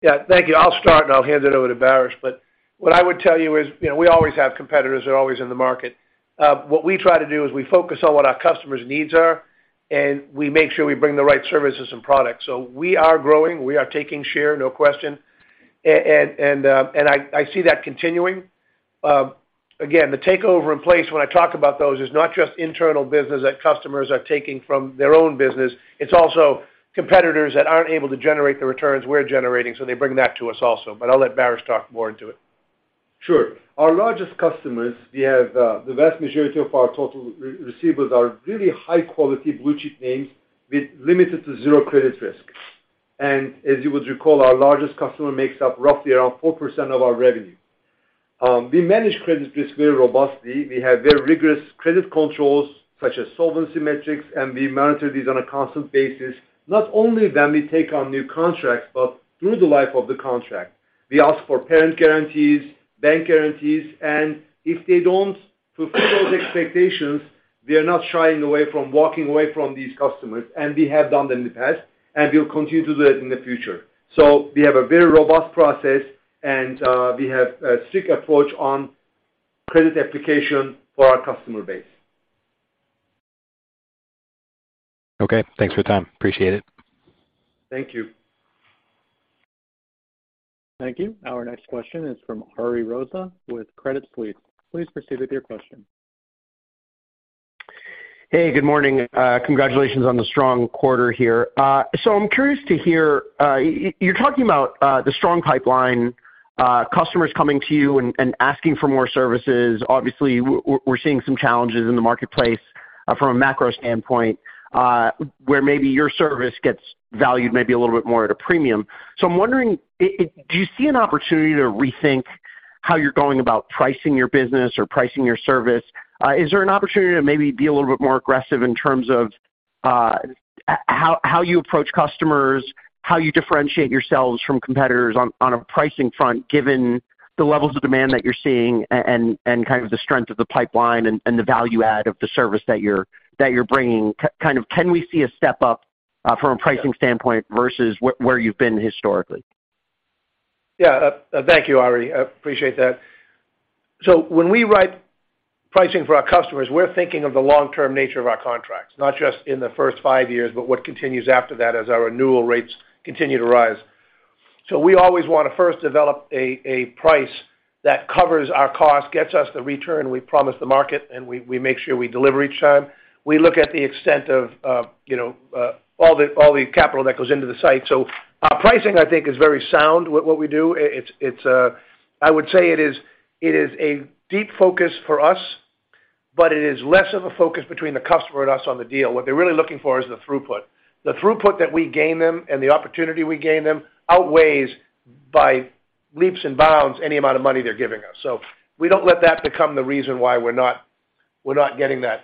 Yeah. Thank you. I'll start, and I'll hand it over to Baris. What I would tell you is, you know, we always have competitors. They're always in the market. What we try to do is we focus on what our customers' needs are, and we make sure we bring the right services and products. We are growing, we are taking share, no question. And I see that continuing. Again, the takeover in place when I talk about those is not just internal business that customers are taking from their own business. It's also competitors that aren't able to generate the returns we're generating, so they bring that to us also. I'll let Baris talk more into it. Sure. Our largest customers, we have the vast majority of our total receivables are really high quality blue chip names with limited to zero credit risk. As you would recall, our largest customer makes up roughly around 4% of our revenue. We manage credit risk very robustly. We have very rigorous credit controls, such as solvency metrics, and we monitor these on a constant basis, not only when we take on new contracts, but through the life of the contract. We ask for parent guarantees, bank guarantees, and if they don't fulfill those expectations, we are not shying away from walking away from these customers, and we have done that in the past, and we'll continue to do that in the future. We have a very robust process, and we have a strict approach on credit application for our customer base. Okay. Thanks for your time. Appreciate it. Thank you. Thank you. Our next question is from Ari Rosa with Credit Suisse. Please proceed with your question. Hey, good morning. Congratulations on the strong quarter here. I'm curious to hear you're talking about the strong pipeline, customers coming to you and asking for more services. Obviously, we're seeing some challenges in the marketplace from a macro standpoint, where maybe your service gets valued maybe a little bit more at a premium. I'm wondering, do you see an opportunity to rethink how you're going about pricing your business or pricing your service? Is there an opportunity to maybe be a little bit more aggressive in terms of how you approach customers, how you differentiate yourselves from competitors on a pricing front, given the levels of demand that you're seeing and kind of the strength of the pipeline and the value add of the service that you're bringing? Kind of can we see a step up from a pricing standpoint versus where you've been historically? Yeah. Thank you, Ari. I appreciate that. When we write pricing for our customers, we're thinking of the long-term nature of our contracts, not just in the first five years, but what continues after that as our renewal rates continue to rise. We always wanna first develop a price that covers our cost, gets us the return we promised the market, and we make sure we deliver each time. We look at the extent of you know all the capital that goes into the site. Our pricing, I think, is very sound with what we do. It is a deep focus for us, but it is less of a focus between the customer and us on the deal. What they're really looking for is the throughput. The throughput that we gain them and the opportunity we gain them outweighs by leaps and bounds any amount of money they're giving us. We don't let that become the reason why we're not getting that.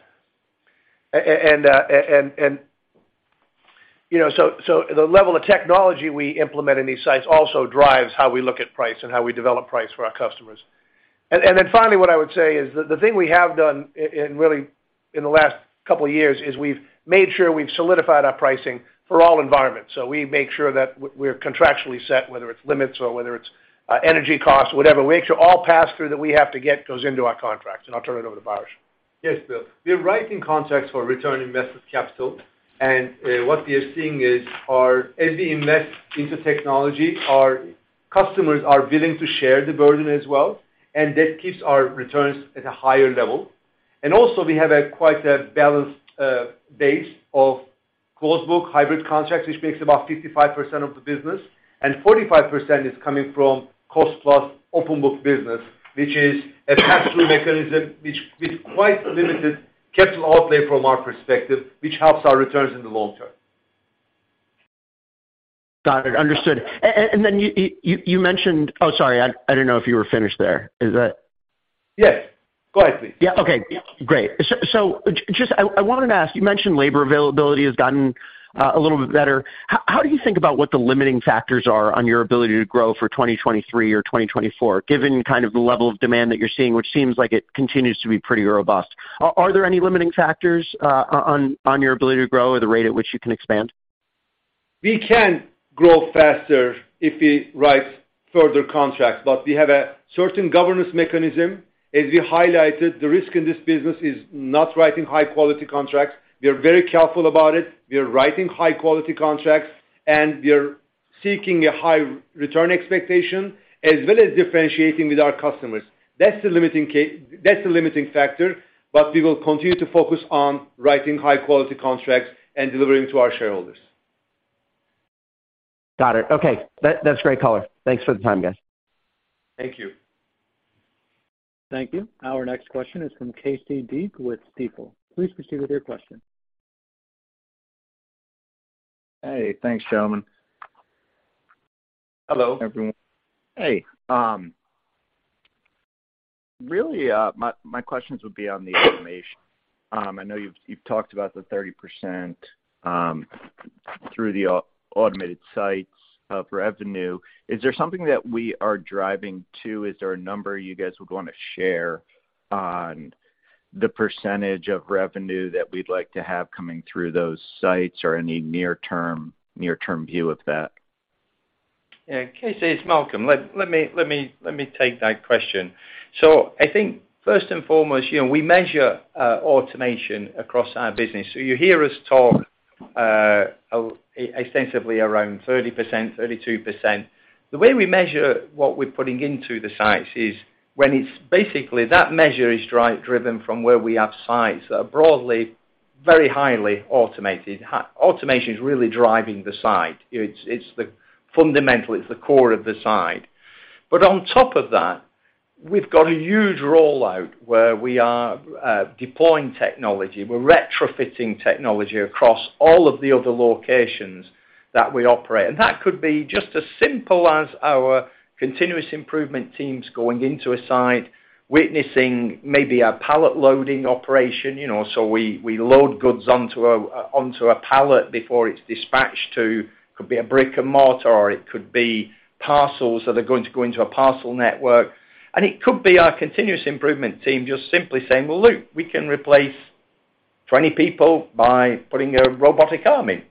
You know, so the level of technology we implement in these sites also drives how we look at price and how we develop price for our customers. Then finally, what I would say is the thing we have done in really in the last couple of years is we've made sure we've solidified our pricing for all environments. We make sure that we're contractually set, whether it's limits or whether it's energy costs, whatever. We make sure all pass-through that we have to get goes into our contracts. I'll turn it over to Baris. Yes, Bill. We are writing contracts for return on invested capital, and what we are seeing is our, as we invest into technology, our customers are willing to share the burden as well, and that keeps our returns at a higher level. Also we have quite a balanced base of closed book hybrid contracts, which makes about 55% of the business, and 45% is coming from cost plus open book business, which is a pass-through mechanism with quite limited capital outlay from our perspective, which helps our returns in the long term. Got it. Understood. Oh, sorry. I didn't know if you were finished there. Is that? Yes. Go ahead, please. Yeah. Okay. Great. Just I wanted to ask, you mentioned labor availability has gotten a little bit better. How do you think about what the limiting factors are on your ability to grow for 2023 or 2024, given kind of the level of demand that you're seeing, which seems like it continues to be pretty robust? Are there any limiting factors on your ability to grow or the rate at which you can expand? We can grow faster if we write further contracts, but we have a certain governance mechanism. As we highlighted, the risk in this business is not writing high quality contracts. We are very careful about it. We are writing high quality contracts, and we are seeking a high return expectation, as well as differentiating with our customers. That's the limiting factor, but we will continue to focus on writing high quality contracts and delivering to our shareholders. Got it. Okay. That's great color. Thanks for the time, guys. Thank you. Thank you. Our next question is from Casey Deak with Stifel. Please proceed with your question. Hey, thanks, gentlemen. Hello. Everyone. Hey. Really, my questions would be on the automation. I know you've talked about the 30% through the automated sites of revenue. Is there something that we are driving to? Is there a number you guys would wanna share on the percentage of revenue that we'd like to have coming through those sites or any near-term view of that? Yeah. Casey, it's Malcolm. Let me take that question. I think first and foremost, you know, we measure automation across our business. You hear us talk extensively around 30%, 32%. The way we measure what we're putting into the sites is when it's basically that measure is driven from where we have sites that are broadly very highly automated. High automation is really driving the site. It's the fundamental, it's the core of the site. But on top of that, we've got a huge rollout where we are deploying technology. We're retrofitting technology across all of the other locations that we operate. That could be just as simple as our continuous improvement teams going into a site, witnessing maybe a pallet loading operation. You know, we load goods onto a pallet before it's dispatched to, could be a brick-and-mortar or it could be parcels that are going to go into a parcel network. It could be our continuous improvement team just simply saying, "Well, look, we can replace 20 people by putting a robotic arm in."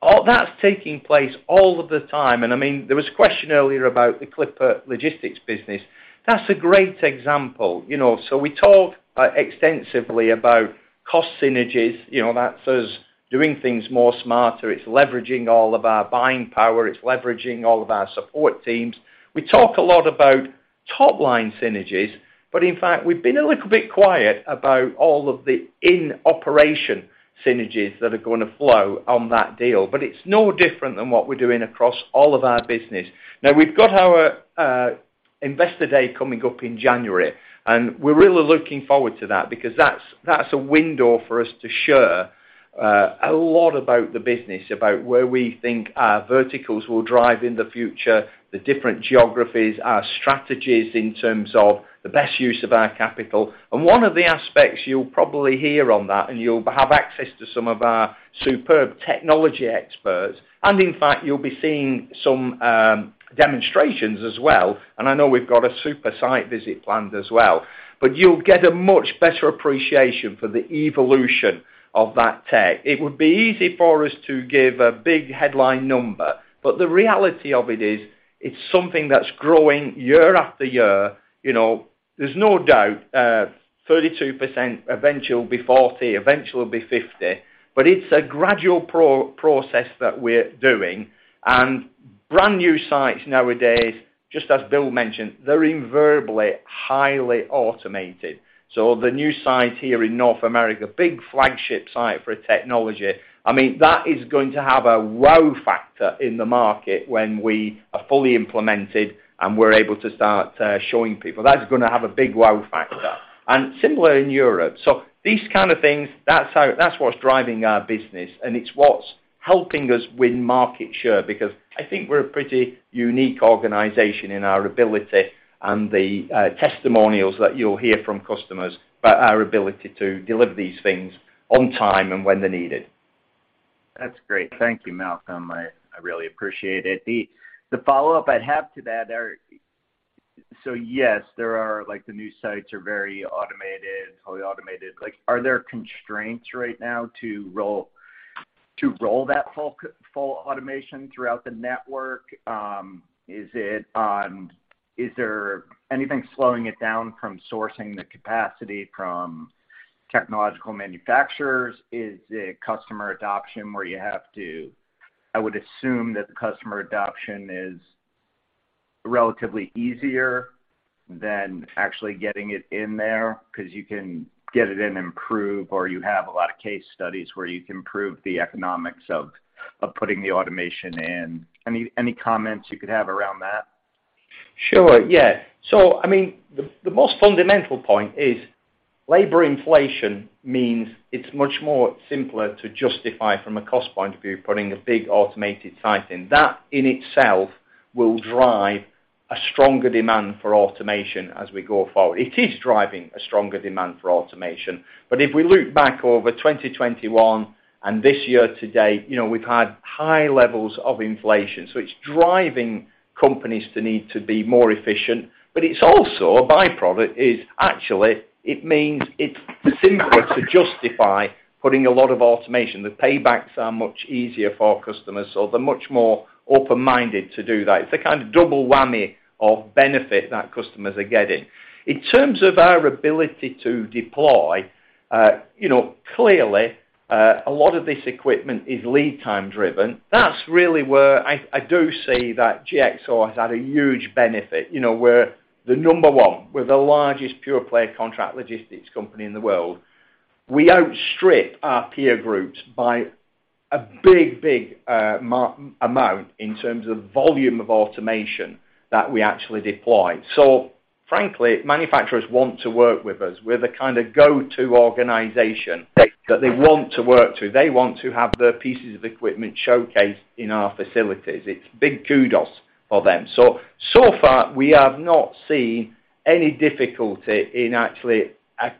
All that's taking place all of the time. I mean, there was a question earlier about the Clipper Logistics business. That's a great example. You know, we talk extensively about cost synergies, you know, that's us doing things more smarter. It's leveraging all of our buying power. It's leveraging all of our support teams. We talk a lot about top-line synergies, but in fact, we've been a little bit quiet about all of the in-operation synergies that are gonna flow on that deal. It's no different than what we're doing across all of our business. Now, we've got our Investor Day coming up in January, and we're really looking forward to that because that's a window for us to share a lot about the business, about where we think our verticals will drive in the future, the different geographies, our strategies in terms of the best use of our capital. One of the aspects you'll probably hear on that, and you'll have access to some of our superb technology experts. In fact, you'll be seeing some demonstrations as well. I know we've got a super site visit planned as well. You'll get a much better appreciation for the evolution of that tech. It would be easy for us to give a big headline number, but the reality of it is it's something that's growing year after year. You know, there's no doubt, 32% eventually will be 40%, eventually will be 50%. It's a gradual process that we're doing. Brand new sites nowadays, just as Bill mentioned, they're invariably highly automated. The new site here in North America, big flagship site for a technology, I mean, that is going to have a wow factor in the market when we are fully implemented and we're able to start showing people. That's gonna have a big wow factor. Similar in Europe. These kind of things, that's what's driving our business, and it's what's helping us win market share, because I think we're a pretty unique organization in our ability and the testimonials that you'll hear from customers about our ability to deliver these things on time and when they're needed. That's great. Thank you, Malcolm. I really appreciate it. The follow-up I'd have to that are like, the new sites are very automated, totally automated. Like, are there constraints right now to roll that full automation throughout the network? Is there anything slowing it down from sourcing the capacity from technological manufacturers? Is it customer adoption, where you have to. I would assume that the customer adoption is relatively easier than actually getting it in there 'cause you can get it in and improve, or you have a lot of case studies where you can prove the economics of putting the automation in. Any comments you could have around that? Sure. Yeah. I mean, the most fundamental point is labor inflation means it's much more simpler to justify from a cost point of view, putting a big automated site in. That, in itself, will drive a stronger demand for automation as we go forward. It is driving a stronger demand for automation. If we look back over 2021 and this year to date, you know, we've had high levels of inflation, so it's driving companies to need to be more efficient. It's also, a by-product is actually it means it's simpler to justify putting a lot of automation. The paybacks are much easier for our customers, so they're much more open-minded to do that. It's a kind of double whammy of benefit that customers are getting. In terms of our ability to deploy, you know, clearly, a lot of this equipment is lead time driven. That's really where I do see that GXO has had a huge benefit. You know, we're the number one. We're the largest pure play contract logistics company in the world. We outstrip our peer groups by a big amount in terms of volume of automation that we actually deploy. Frankly, manufacturers want to work with us. We're the kind of go-to organization that they want to work with. They want to have their pieces of equipment showcased in our facilities. It's big kudos for them. So far, we have not seen any difficulty in actually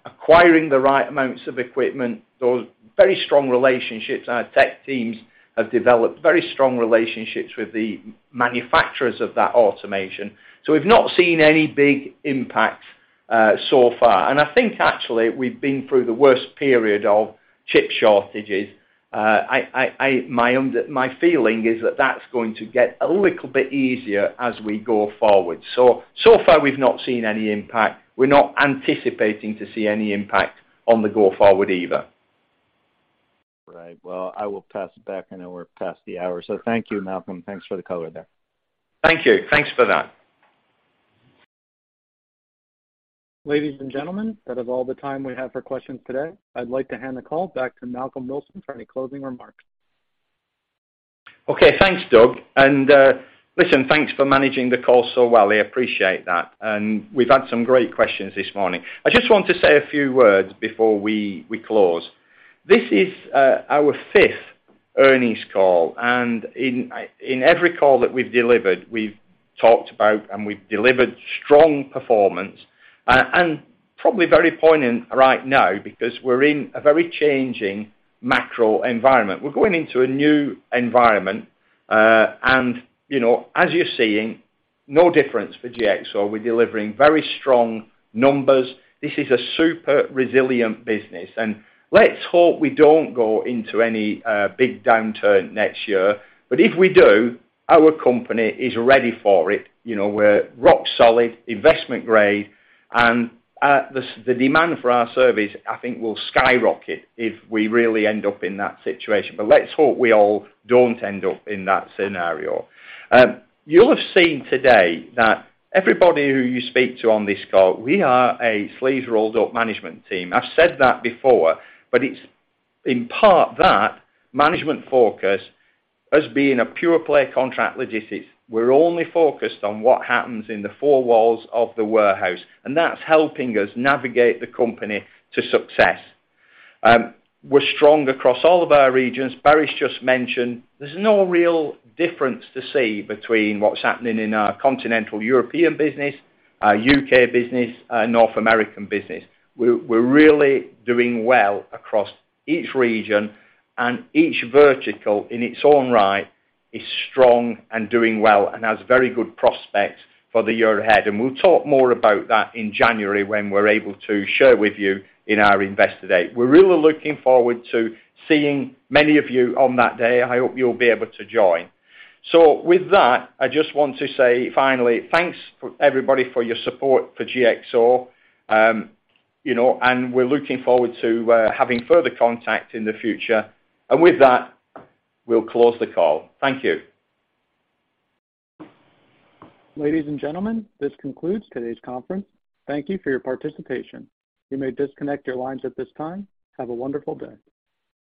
acquiring the right amounts of equipment. Those very strong relationships our tech teams have developed, very strong relationships with the manufacturers of that automation, so we've not seen any big impact so far. I think actually we've been through the worst period of chip shortages. My own feeling is that that's going to get a little bit easier as we go forward. So far we've not seen any impact. We're not anticipating to see any impact going forward either. Right. Well, I will pass it back. I know we're past the hour. Thank you, Malcolm. Thanks for the color there. Thank you. Thanks for that. Ladies and gentlemen, that is all the time we have for questions today. I'd like to hand the call back to Malcolm Wilson for any closing remarks. Okay. Thanks, Doug. Listen, thanks for managing the call so well. I appreciate that. We've had some great questions this morning. I just want to say a few words before we close. This is our fifth earnings call, and in every call that we've delivered, we've talked about and we've delivered strong performance, and probably very poignant right now because we're in a very changing macro environment. We're going into a new environment. You know, as you're seeing, no difference for GXO. We're delivering very strong numbers. This is a super resilient business. Let's hope we don't go into any big downturn next year. If we do, our company is ready for it. You know, we're rock solid, investment grade, and the demand for our service, I think, will skyrocket if we really end up in that situation. Let's hope we all don't end up in that scenario. You'll have seen today that everybody who you speak to on this call, we are a sleeves rolled up management team. I've said that before, but it's in part that management focus, us being a pure play contract logistics. We're only focused on what happens in the four walls of the warehouse, and that's helping us navigate the company to success. We're strong across all of our regions. Baris just mentioned there's no real difference to see between what's happening in our continental European business, our U.K. business, our North American business. We're really doing well across each region and each vertical in its own right is strong and doing well and has very good prospects for the year ahead. We'll talk more about that in January when we're able to share with you in our Investor Day. We're really looking forward to seeing many of you on that day. I hope you'll be able to join. With that, I just want to say finally, thanks everybody for your support for GXO. You know, we're looking forward to having further contact in the future. With that, we'll close the call. Thank you. Ladies and gentlemen, this concludes today's conference. Thank you for your participation. You may disconnect your lines at this time. Have a wonderful day.